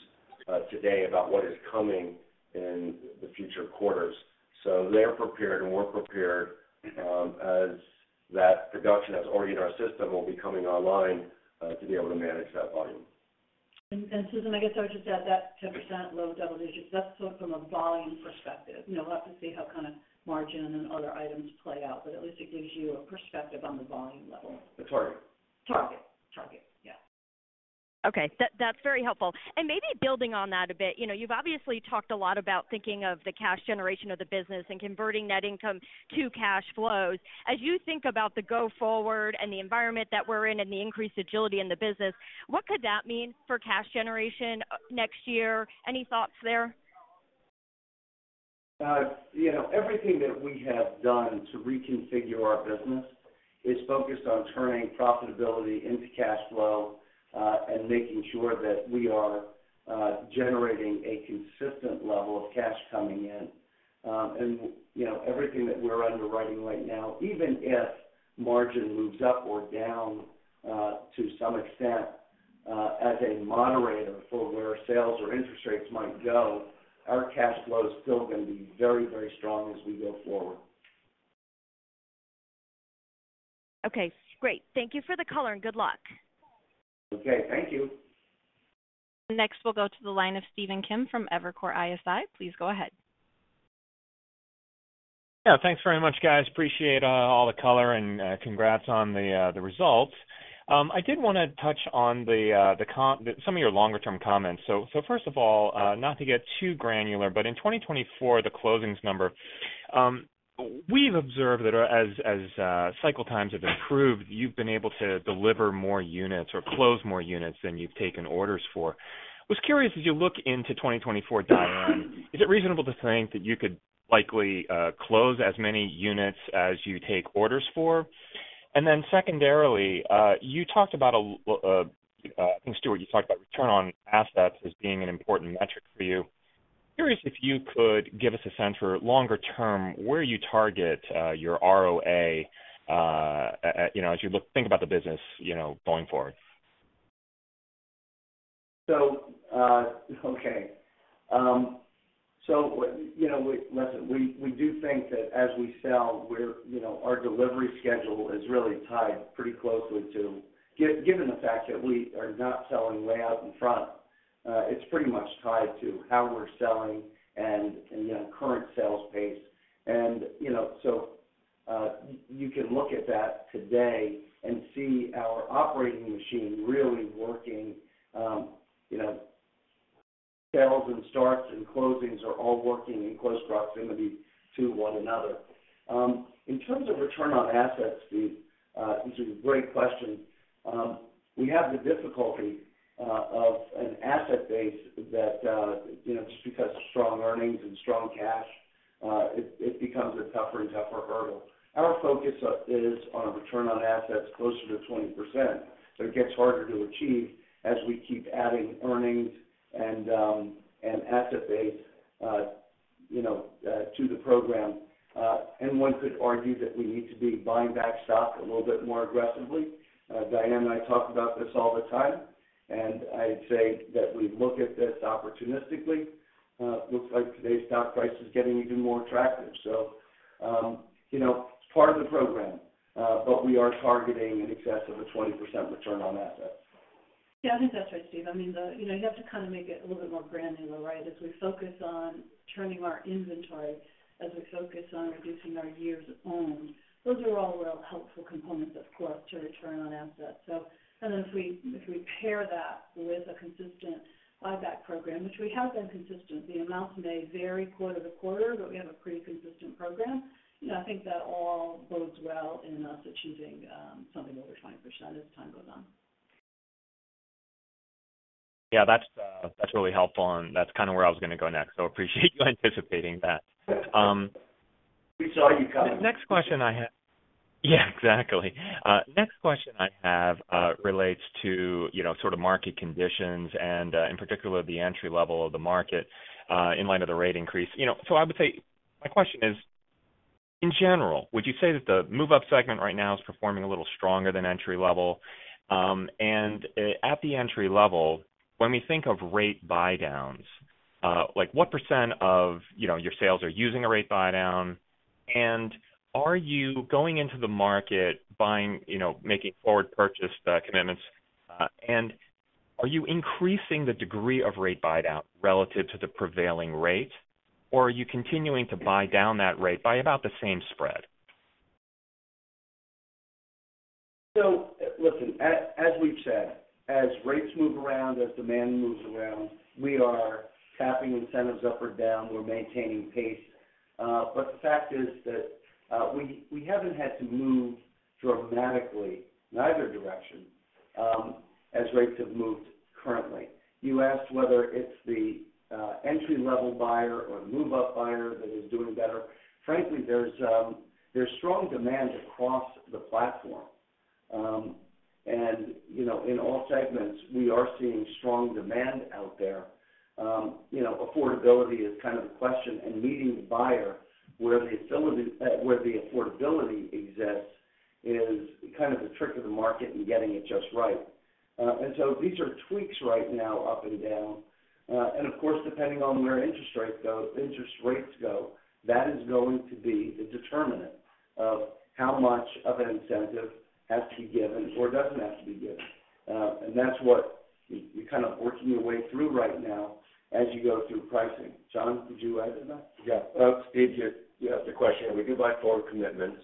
today about what is coming in the future quarters. So they're prepared, and we're prepared, as that production that's already in our system will be coming online, to be able to manage that volume. Susan, I guess I would just add that 10% low double digits, that's sort of from a volume perspective. You know, we'll have to see how kind of margin and other items play out, but at least it gives you a perspective on the volume level. The target. Target. Target, yeah. Okay, that's very helpful. And maybe building on that a bit, you know, you've obviously talked a lot about thinking of the cash generation of the business and converting net income to cash flows. As you think about the go forward and the environment that we're in and the increased agility in the business, what could that mean for cash generation next year? Any thoughts there? You know, everything that we have done to reconfigure our business is focused on turning profitability into cash flow, and making sure that we are generating a consistent level of cash coming in. And, you know, everything that we're underwriting right now, even if margin moves up or down, to some extent, as a moderator for where sales or interest rates might go, our cash flow is still going to be very, very strong as we go forward. Okay, great. Thank you for the color, and good luck. Okay, thank you. Next, we'll go to the line of Stephen Kim from Evercore ISI. Please go ahead. Yeah. Thanks very much, guys. Appreciate all the color and congrats on the results. I did want to touch on the comments, some of your longer term comments. First of all, not to get too granular, but in 2024, the closings number, we've observed that as cycle times have improved, you've been able to deliver more units or close more units than you've taken orders for. Was curious, as you look into 2024 data, is it reasonable to think that you could likely close as many units as you take orders for? And then secondarily, you talked about, I think, Stuart, you talked about return on assets as being an important metric for you. Curious if you could give us a sense for longer term, where you target your ROA, you know, as you think about the business, you know, going forward. So, okay. You know, listen, we do think that as we sell, we're, you know, our delivery schedule is really tied pretty closely to... Given the fact that we are not selling way out in front, it's pretty much tied to how we're selling and current sales pace. And, you know, so you can look at that today and see our operating machine really working. You know, sales and starts and closings are all working in close proximity to one another. In terms of Return on Assets, Steve, this is a great question. We have the difficulty of an asset base that, you know, just because of strong earnings and strong cash, it becomes a tougher and tougher hurdle. Our focus is on a return on assets closer to 20%, but it gets harder to achieve as we keep adding earnings and, and asset base, you know, to the program. And one could argue that we need to be buying back stock a little bit more aggressively. Diane and I talk about this all the time, and I'd say that we look at this opportunistically. It looks like today's stock price is getting even more attractive. So, you know, it's part of the program, but we are targeting in excess of a 20% return on assets. Yeah, I think that's right, Steve. I mean, the, you know, you have to kind of make it a little bit more granular, right? As we focus on turning our inventory, as we focus on reducing our years owned, those are all real helpful components, of course, to return on assets. So and if we, if we pair that with a consistent buyback program, which we have been consistent, the amounts may vary quarter-to-quarter, but we have a pretty consistent program. You know, I think that all bodes well in us achieving, something over 20% as time goes on. Yeah, that's really helpful, and that's kind of where I was going to go next, so appreciate you anticipating that. We saw you coming. The next question I have... Yeah, exactly. Next question I have relates to, you know, sort of market conditions and, in particular, the entry level of the market, in light of the rate increase. You know, so I would say my question is, in general, would you say that the move-up segment right now is performing a little stronger than entry level? And at the entry level, when we think of rate buydowns, like, what % of, you know, your sales are using a rate buydown? And are you going into the market buying, you know, making forward purchase commitments? And are you increasing the degree of rate buydown relative to the prevailing rate, or are you continuing to buy down that rate by about the same spread? So listen, as we've said, as rates move around, as demand moves around, we are tapping incentives up or down. We're maintaining pace. But the fact is that we haven't had to move dramatically in either direction, as rates have moved currently. You asked whether it's the entry-level buyer or move-up buyer that is doing better. Frankly, there's strong demand across the platform, and, you know, in all segments, we are seeing strong demand out there. You know, affordability is kind of the question, and meeting the buyer where the affordability exists is kind of the trick of the market and getting it just right. And so these are tweaks right now, up and down. Of course, depending on where interest rate goes, interest rates go, that is going to be the determinant of how much of an incentive has to be given or doesn't have to be given. That's what you, you're kind of working your way through right now as you go through pricing. Jon, would you add to that? Yeah. To answer your question, we do buy forward commitments,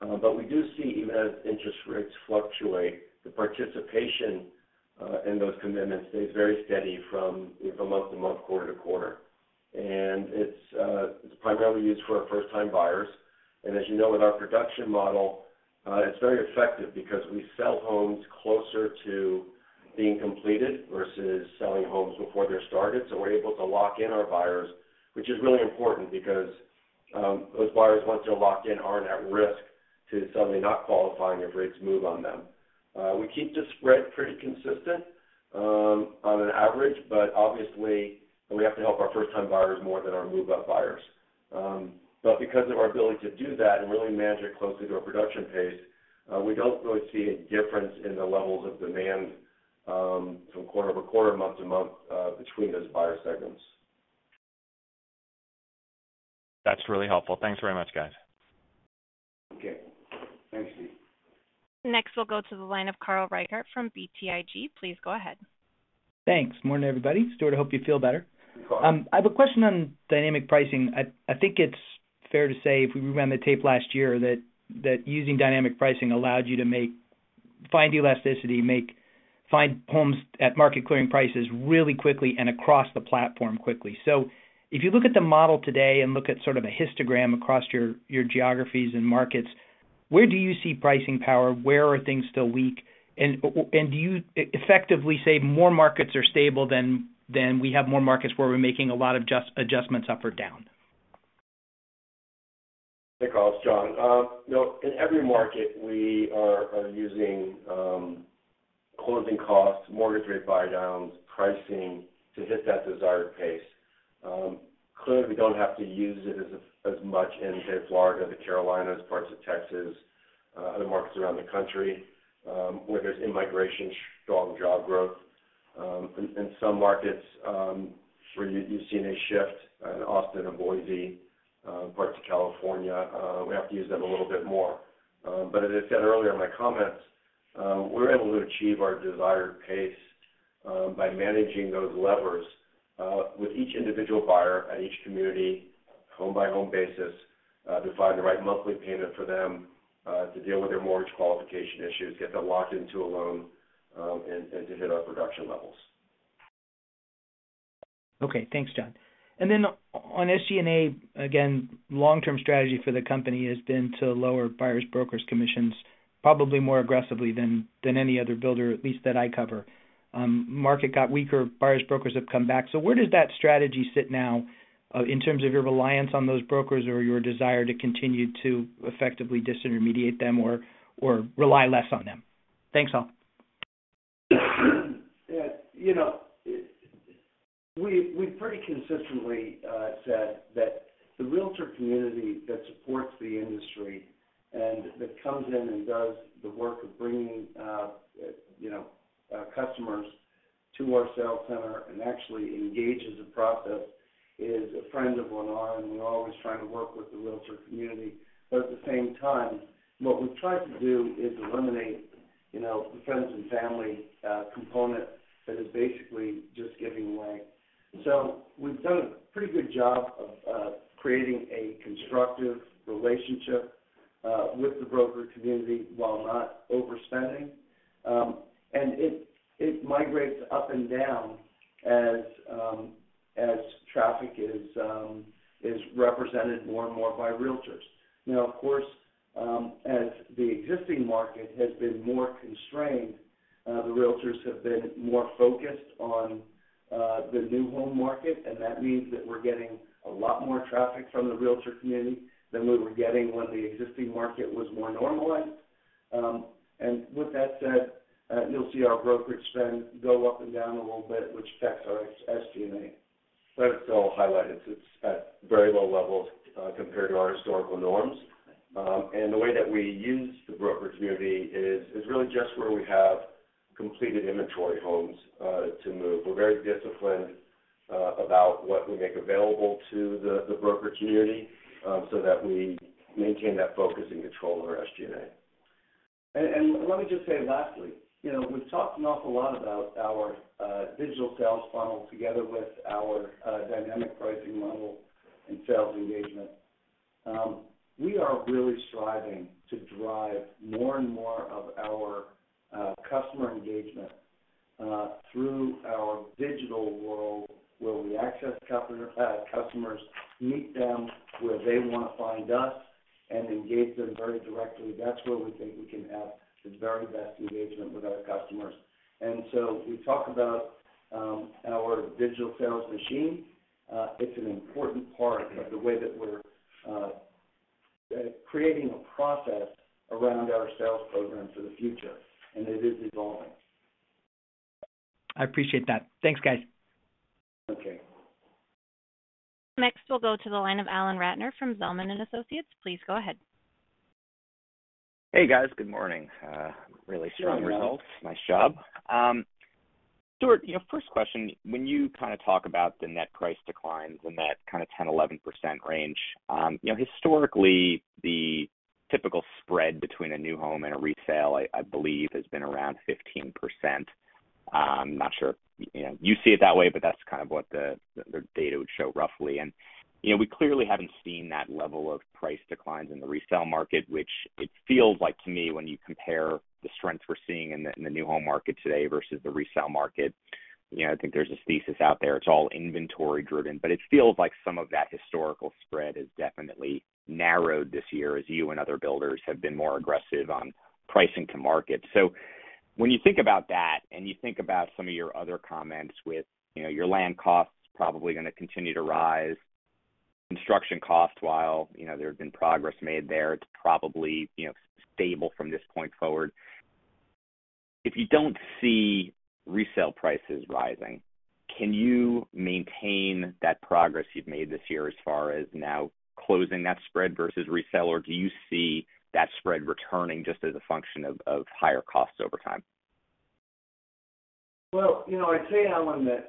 but we do see, even as interest rates fluctuate, the participation in those commitments stays very steady from, you know, month to month, quarter-to-quarter. And it's primarily used for our first-time buyers. And as you know, with our production model, it's very effective because we sell homes closer to being completed versus selling homes before they're started. So we're able to lock in our buyers, which is really important because those buyers, once they're locked in, aren't at risk to suddenly not qualifying if rates move on them. We keep the spread pretty consistent on an average, but obviously, we have to help our first-time buyers more than our move-up buyers. But because of our ability to do that and really manage it closely to our production pace, we don't really see a difference in the levels of demand, from quarter-over-quarter, month-over-month, between those buyer segments. That's really helpful. Thanks very much, guys. Okay. Thanks, Steve. Next, we'll go to the line of Carl Reichardt from BTIG. Please go ahead. Thanks. Morning, everybody. Stuart, I hope you feel better. You're welcome. I have a question on dynamic pricing. I think it's fair to say, if we rerun the tape last year, that using dynamic pricing allowed you to find elasticity, find homes at market clearing prices really quickly and across the platform quickly. So if you look at the model today and look at sort of a histogram across your geographies and markets, where do you see pricing power? Where are things still weak? And do you effectively say more markets are stable than we have more markets where we're making a lot of just adjustments up or down? Hey, Carl, it's Jon. You know, in every market we are using closing costs, mortgage rate buydowns, pricing to hit that desired pace. Clearly, we don't have to use it as much in say, Florida, the Carolinas, parts of Texas, other markets around the country, where there's in-migration, strong job growth. In some markets, where you've seen a shift in Austin and Boise, parts of California, we have to use them a little bit more. But as I said earlier in my comments, we're able to achieve our desired pace by managing those levers with each individual buyer at each community, home-by-home basis, to find the right monthly payment for them, to deal with their mortgage qualification issues, get them locked into a loan, and, and to hit our production levels. Okay, thanks, Jon. And then on SG&A, again, long-term strategy for the company has been to lower buyers brokers' commissions, probably more aggressively than, than any other builder, at least that I cover. Market got weaker, buyers, brokers have come back. So where does that strategy sit now, in terms of your reliance on those brokers or your desire to continue to effectively disintermediate them or, or rely less on them? Thanks, all. Yeah, you know, we pretty consistently said that the Realtor community that supports the industry and that comes in and does the work of bringing, you know, customers to our sales center and actually engages the process, is a friend of Lennar, and we're always trying to work with the Realtor community. But at the same time, what we've tried to do is eliminate, you know, the friends and family component that is basically just giving away. So we've done a pretty good job of creating a constructive relationship with the broker community while not overspending. And it migrates up and down as traffic is represented more and more by Realtors. Now, of course, as the existing market has been more constrained, the Realtors have been more focused on the new home market, and that means that we're getting a lot more traffic from the Realtor community than we were getting when the existing market was more normalized. And with that said, you'll see our brokerage spend go up and down a little bit, which affects our SG&A. But it's all highlighted. It's at very low levels, compared to our historical norms. And the way that we use the brokerage community is really just where we have completed inventory homes to move. We're very disciplined about what we make available to the broker community, so that we maintain that focus and control over our SG&A. And let me just say lastly, you know, we've talked an awful lot about our digital sales funnel together with our dynamic pricing model and sales engagement. We are really striving to drive more and more of our customer engagement through our digital world, where we access customers, meet them where they want to find us, and engage them very directly. That's where we think we can have the very best engagement with our customers. And so we talk about our digital sales machine. It's an important part of the way that we're creating a process around our sales program for the future, and it is evolving. I appreciate that. Thanks, guys. Okay. Next, we'll go to the line of Alan Ratner from Zelman & Associates. Please go ahead. Hey, guys. Good morning. Really strong results. Nice job. Stuart, you know, first question, when you kind of talk about the net price declines in that kind of 10%-11% range, you know, historically, the typical spread between a new home and a resale, I believe, has been around 15%. I'm not sure you know, you see it that way, but that's kind of what the data would show roughly. You know, we clearly haven't seen that level of price declines in the resale market, which it feels like to me, when you compare the strength we're seeing in the new home market today versus the resale market, you know, I think there's this thesis out there, it's all inventory-driven. But it feels like some of that historical spread has definitely narrowed this year, as you and other builders have been more aggressive on pricing to market. So when you think about that, and you think about some of your other comments with, you know, your land costs probably going to continue to rise, construction costs, while, you know, there's been progress made there, it's probably, you know, stable from this point forward. If you don't see resale prices rising, can you maintain that progress you've made this year as far as now closing that spread versus resale? Or do you see that spread returning just as a function of, of higher costs over time? Well, you know, I'd say, Alan, that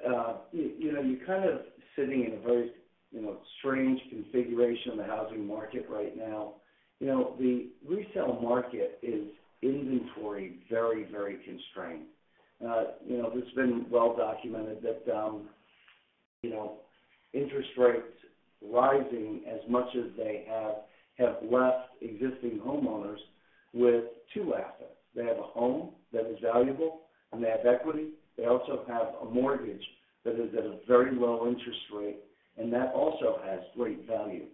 you know, you're kind of sitting in a very, you know, strange configuration in the housing market right now. You know, the resale market is inventory very, very constrained. You know, it's been well documented that you know, interest rates rising as much as they have have left existing homeowners with two assets. They have a home that is valuable, and they have equity. They also have a mortgage that is at a very low interest rate, and that also has great value.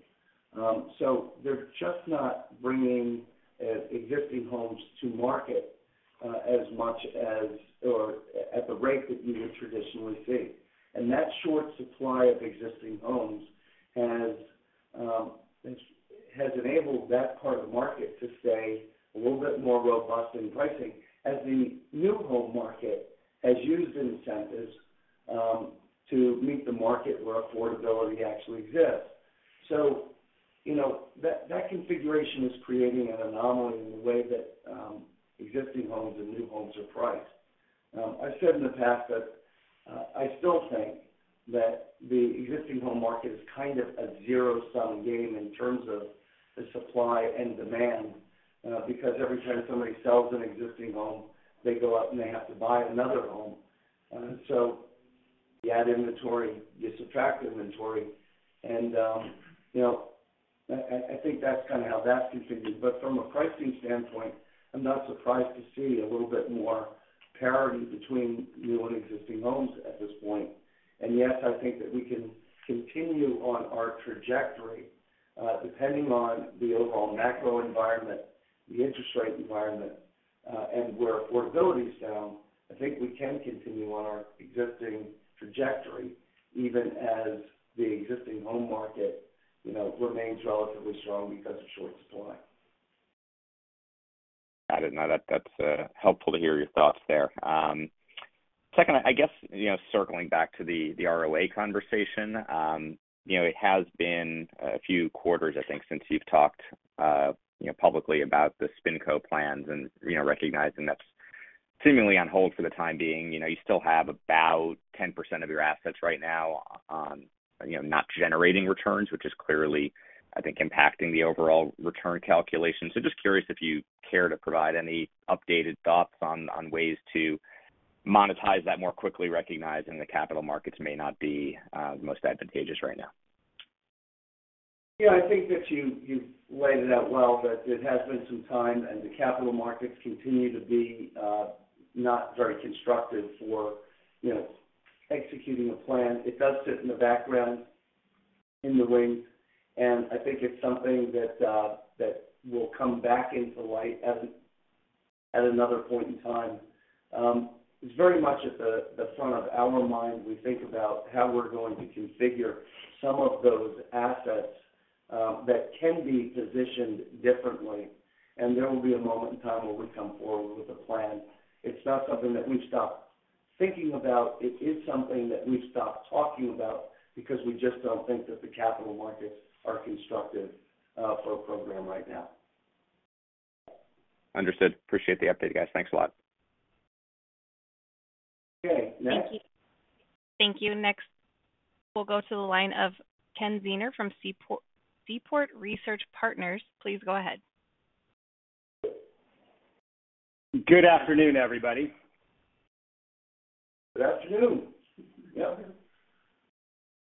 So they're just not bringing existing homes to market as much as or at the rate that you would traditionally see. And that short supply of existing homes has enabled that part of the market to stay a little bit more robust in pricing, as the new home market has used incentives to meet the market where affordability actually exists. So, you know, that configuration is creating an anomaly in the way that existing homes and new homes are priced. I've said in the past that I still think that the existing home market is kind of a zero-sum game in terms of the supply and demand, because every time somebody sells an existing home, they go out and they have to buy another home. So you add inventory, you subtract inventory, and, you know, I think that's kind of how that continues. But from a pricing standpoint, I'm not surprised to see a little bit more parity between new and existing homes at this point. And yes, I think that we can continue on our trajectory, depending on the overall macro environment, the interest rate environment, and where affordability is down. I think we can continue on our existing trajectory, even as the existing home market, you know, remains relatively strong because of short supply. Got it. Now, that, that's helpful to hear your thoughts there. Second, I guess, you know, circling back to the ROA conversation, you know, it has been a few quarters, I think, since you've talked, you know, publicly about the SpinCo plans and, you know, recognizing that's seemingly on hold for the time being. You know, you still have about 10% of your assets right now on, you know, not generating returns, which is clearly, I think, impacting the overall return calculation. So just curious if you care to provide any updated thoughts on ways to monetize that more quickly, recognizing the capital markets may not be the most advantageous right now. Yeah, I think that you, you've laid it out well, that it has been some time, and the capital markets continue to be not very constructive for, you know, executing a plan. It does sit in the background, in the wings, and I think it's something that that will come back into light at another point in time. It's very much at the front of our mind. We think about how we're going to configure some of those assets that can be positioned differently, and there will be a moment in time where we come forward with a plan. It's not something that we've stopped thinking about. It is something that we've stopped talking about because we just don't think that the capital markets are constructive for a program right now. Understood. Appreciate the update, guys. Thanks a lot. Okay, next. Thank you. Next, we'll go to the line of Ken Zener from Seaport, Seaport Research Partners. Please go ahead. Good afternoon, everybody. Good afternoon. Yeah.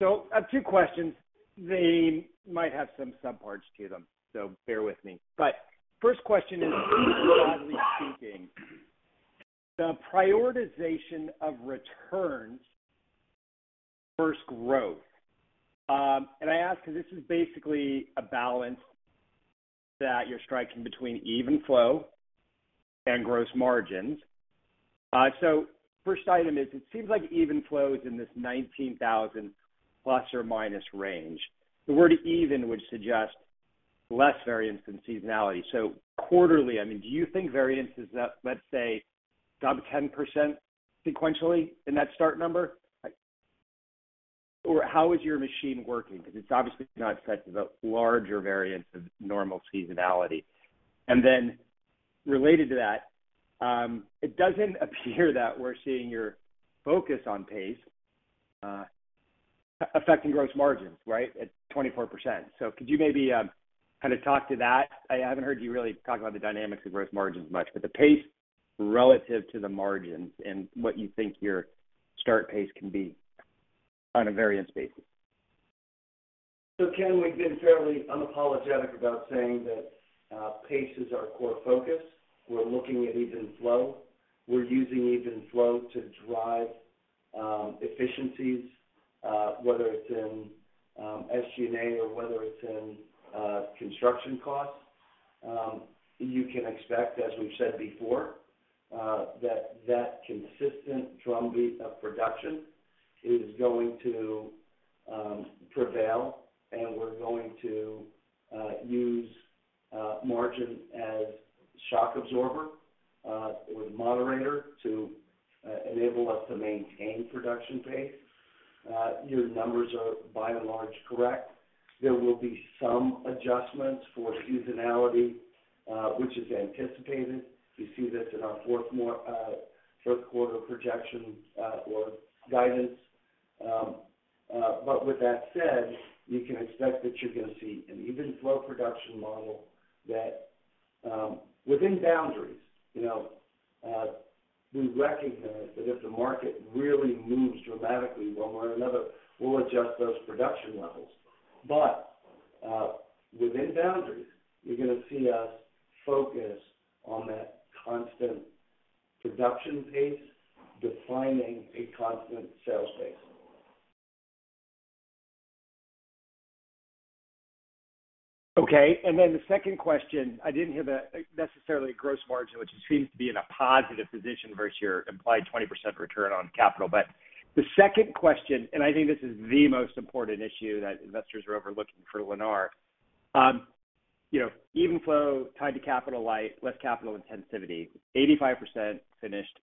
So I have two questions. They might have some subparts to them, so bear with me. But first question is, broadly speaking, the prioritization of returns versus growth. And I ask because this is basically a balance that you're striking between Even Flow and gross margins. So first item is, it seems like Even Flow is in this 19,000± range. The word even would suggest less variance than seasonality. So, quarterly, I mean, do you think variance is, let's say, sub 10% sequentially in that start number? Or how is your machine working? Because it's obviously not such a larger variance of normal seasonality. And then, related to that, it doesn't appear that we're seeing your focus on pace affecting gross margin, right, at 24%. So, could you maybe kind of talk to that? I haven't heard you really talk about the dynamics of gross margins much, but the pace relative to the margins and what you think your start pace can be on a variance basis? So Ken, we've been fairly unapologetic about saying that, pace is our core focus. We're looking at Even Flow. We're using Even Flow to drive efficiencies, whether it's in SG&A or whether it's in construction costs. You can expect, as we've said before, that that consistent drumbeat of production is going to prevail, and we're going to use margin as shock absorber or moderator to enable us to maintain production pace. Your numbers are, by and large, correct. There will be some adjustments for seasonality, which is anticipated. You see this in our third quarter projections or guidance. But with that said, you can expect that you're going to see an Even Flow production model that, within boundaries. You know, we recognize that if the market really moves dramatically one way or another, we'll adjust those production levels. But, within boundaries, you're going to see us focus on that constant production pace, defining a constant sales pace. Okay. Then the second question, I didn't hear necessarily gross margin, which seems to be in a positive position versus your implied 20% return on capital. But the second question, and I think this is the most important issue that investors are overlooking for Lennar. You know, Even Flow tied to capital light, less capital intensivity, 85% finished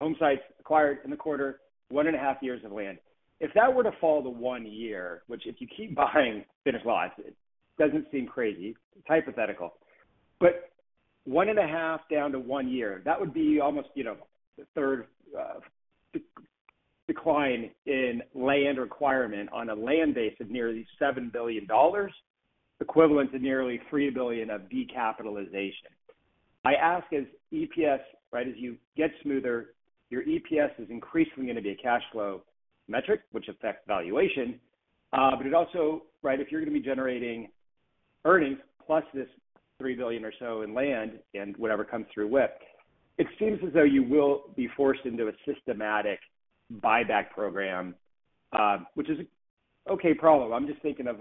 homesites acquired in the quarter, 1.5 years of land. If that were to fall to 1 year, which if you keep buying finished lots, it doesn't seem crazy. It's hypothetical. But 1.5 down to 1 year, that would be almost, you know, a third decline in land requirement on a land base of nearly $7 billion, equivalent to nearly $3 billion of decapitalization. I ask as EPS, right? As you get smoother, your EPS is increasingly going to be a cash flow metric, which affects valuation. But it also... Right, if you're going to be generating earnings plus this $3 billion or so in land and whatever comes through WIP, it seems as though you will be forced into a systematic buyback program, which is an okay problem. I'm just thinking of,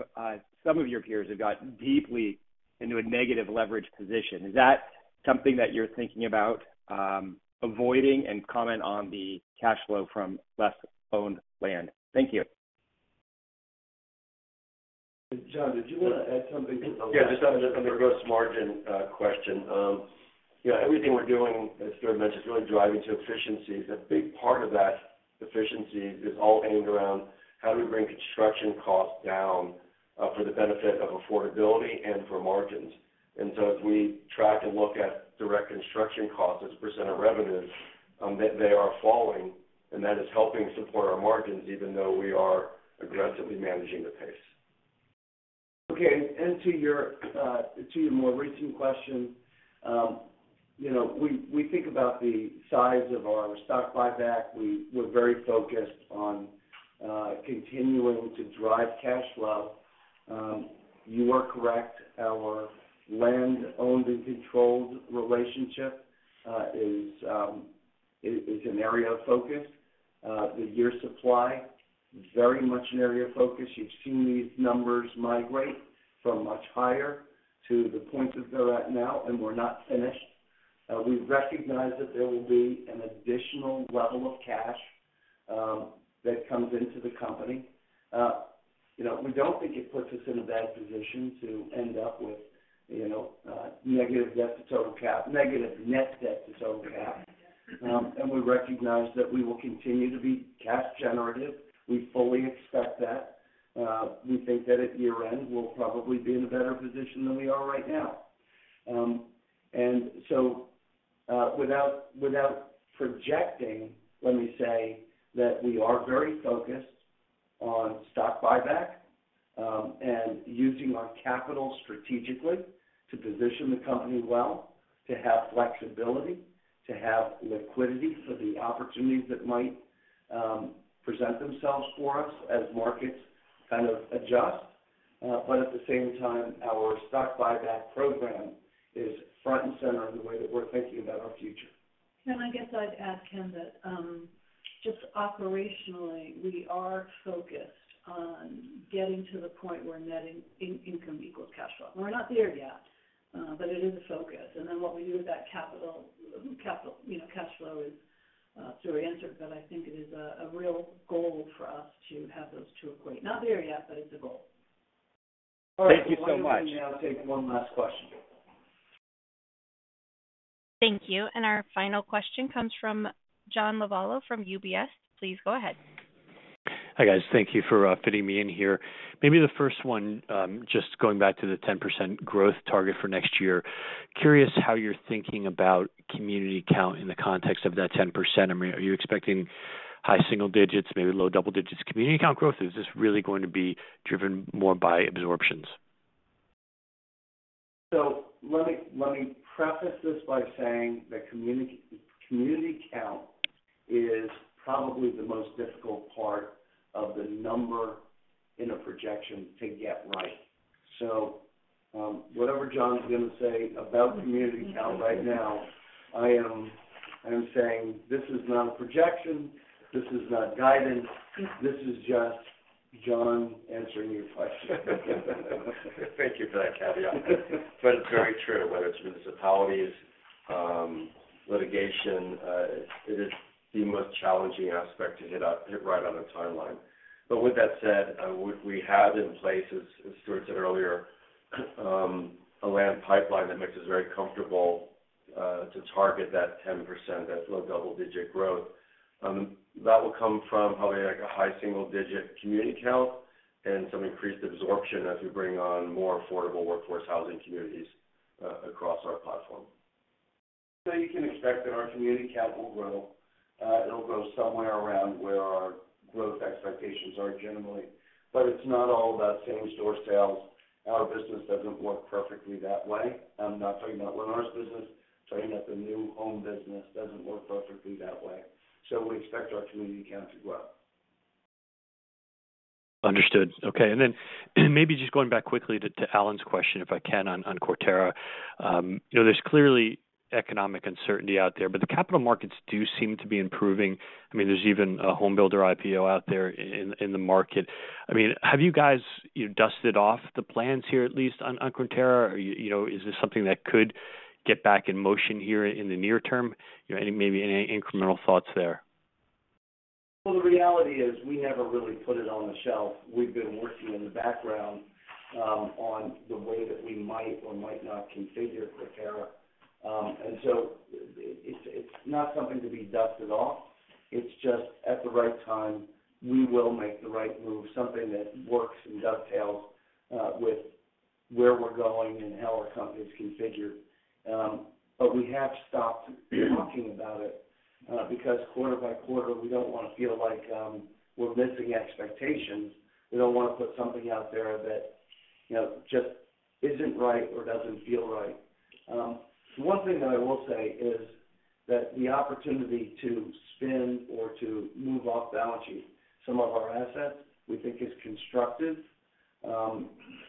some of your peers have got deeply into a negative leverage position. Is that something that you're thinking about, avoiding? And comment on the cash flow from less owned land. Thank you. Jon, did you want to add something to the last- Yeah, just on the gross margin, question. You know, everything we're doing, as Stuart mentioned, is really driving to efficiencies. A big part of that efficiency is all aimed around how do we bring construction costs down, for the benefit of affordability and for margins. And so as we track and look at direct construction costs as a % of revenues, they are falling, and that is helping support our margins, even though we are aggressively managing the pace. Okay, and to your, to your more recent question, you know, we think about the size of our stock buyback. We're very focused on continuing to drive cash flow. You are correct, our land owned and controlled ratio is an area of focus. The years' supply, very much an area of focus. You've seen these numbers migrate from much higher to the point that they're at now, and we're not finished. We recognize that there will be an additional level of cash that comes into the company. You know, we don't think it puts us in a bad position to end up with, you know, negative debt to total cap - negative net debt to total cap. And we recognize that we will continue to be cash generative. We fully expect that. We think that at year-end, we'll probably be in a better position than we are right now. And so, without projecting, let me say that we are very focused on stock buyback, and using our capital strategically to position the company well, to have flexibility, to have liquidity for the opportunities that might present themselves for us as markets kind of adjust. But at the same time, our stock buyback program is front and center in the way that we're thinking about our future. And I guess I'd add, Ken, that just operationally, we are focused on getting to the point where net income equals cash flow. And we're not there yet, but it is a focus. And then what we do with that capital, you know, cash flow is, Stuart answered, but I think it is a real goal for us to have those two equate. Not there yet, but it's a goal. Thank you so much. We'll now take one last question. Thank you. Our final question comes from John Lovallo from UBS. Please go ahead. Hi, guys. Thank you for fitting me in here. Maybe the first one, just going back to the 10% growth target for next year. Curious how you're thinking about community count in the context of that 10%. I mean, are you expecting high single digits, maybe low double digits community count growth? Or is this really going to be driven more by absorptions? So let me, let me preface this by saying that community, community count is probably the most difficult part of the number in a projection to get right. So, whatever Jon's gonna say about community count right now, I am, I'm saying this is not a projection, this is not guidance. This is just Jon answering your question. Thank you for that caveat. But it's very true, whether it's municipalities, litigation, it is the most challenging aspect to hit right on a timeline. But with that said, we have in place, as Stuart said earlier, a land pipeline that makes us very comfortable to target that 10%, that low double-digit growth. That will come from probably, like, a high single digit community count and some increased absorption as we bring on more affordable workforce housing communities across our platform. You can expect that our community count will grow. It'll grow somewhere around where our growth expectations are generally. It's not all about same-store sales. Our business doesn't work perfectly that way. I'm not talking about Lennar's business. I'm talking about the new home business doesn't work perfectly that way. So we expect our community count to grow. Understood. Okay. And then maybe just going back quickly to Alan's question, if I can, on Quarterra. You know, there's clearly economic uncertainty out there, but the capital markets do seem to be improving. I mean, there's even a home builder IPO out there in the market. I mean, have you guys dusted off the plans here, at least on Quarterra? Are you— You know, is this something that could get back in motion here in the near term? You know, any, maybe any incremental thoughts there? Well, the reality is, we never really put it on the shelf. We've been working in the background on the way that we might or might not configure Quarterra. And so it's not something to be dusted off. It's just at the right time, we will make the right move, something that works and dovetails with where we're going and how our company is configured. But we have stopped talking about it because quarter-by-quarter, we don't want to feel like we're missing expectations. We don't want to put something out there that, you know, just isn't right or doesn't feel right. One thing that I will say is that the opportunity to spin or to move off balance sheet some of our assets, we think is constructive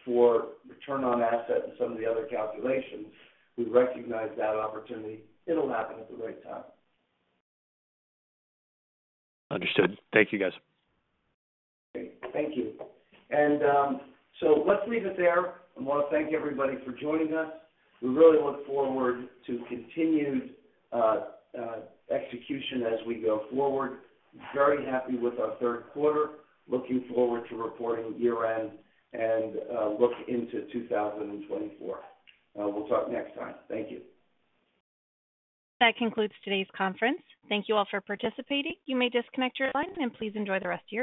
for return on assets and some of the other calculations. We recognize that opportunity. It'll happen at the right time. Understood. Thank you, guys. Great. Thank you. So let's leave it there. I want to thank everybody for joining us. We really look forward to continued execution as we go forward. Very happy with our third quarter. Looking forward to reporting year-end and look into 2024. We'll talk next time. Thank you. That concludes today's conference. Thank you all for participating. You may disconnect your line, and please enjoy the rest of your day.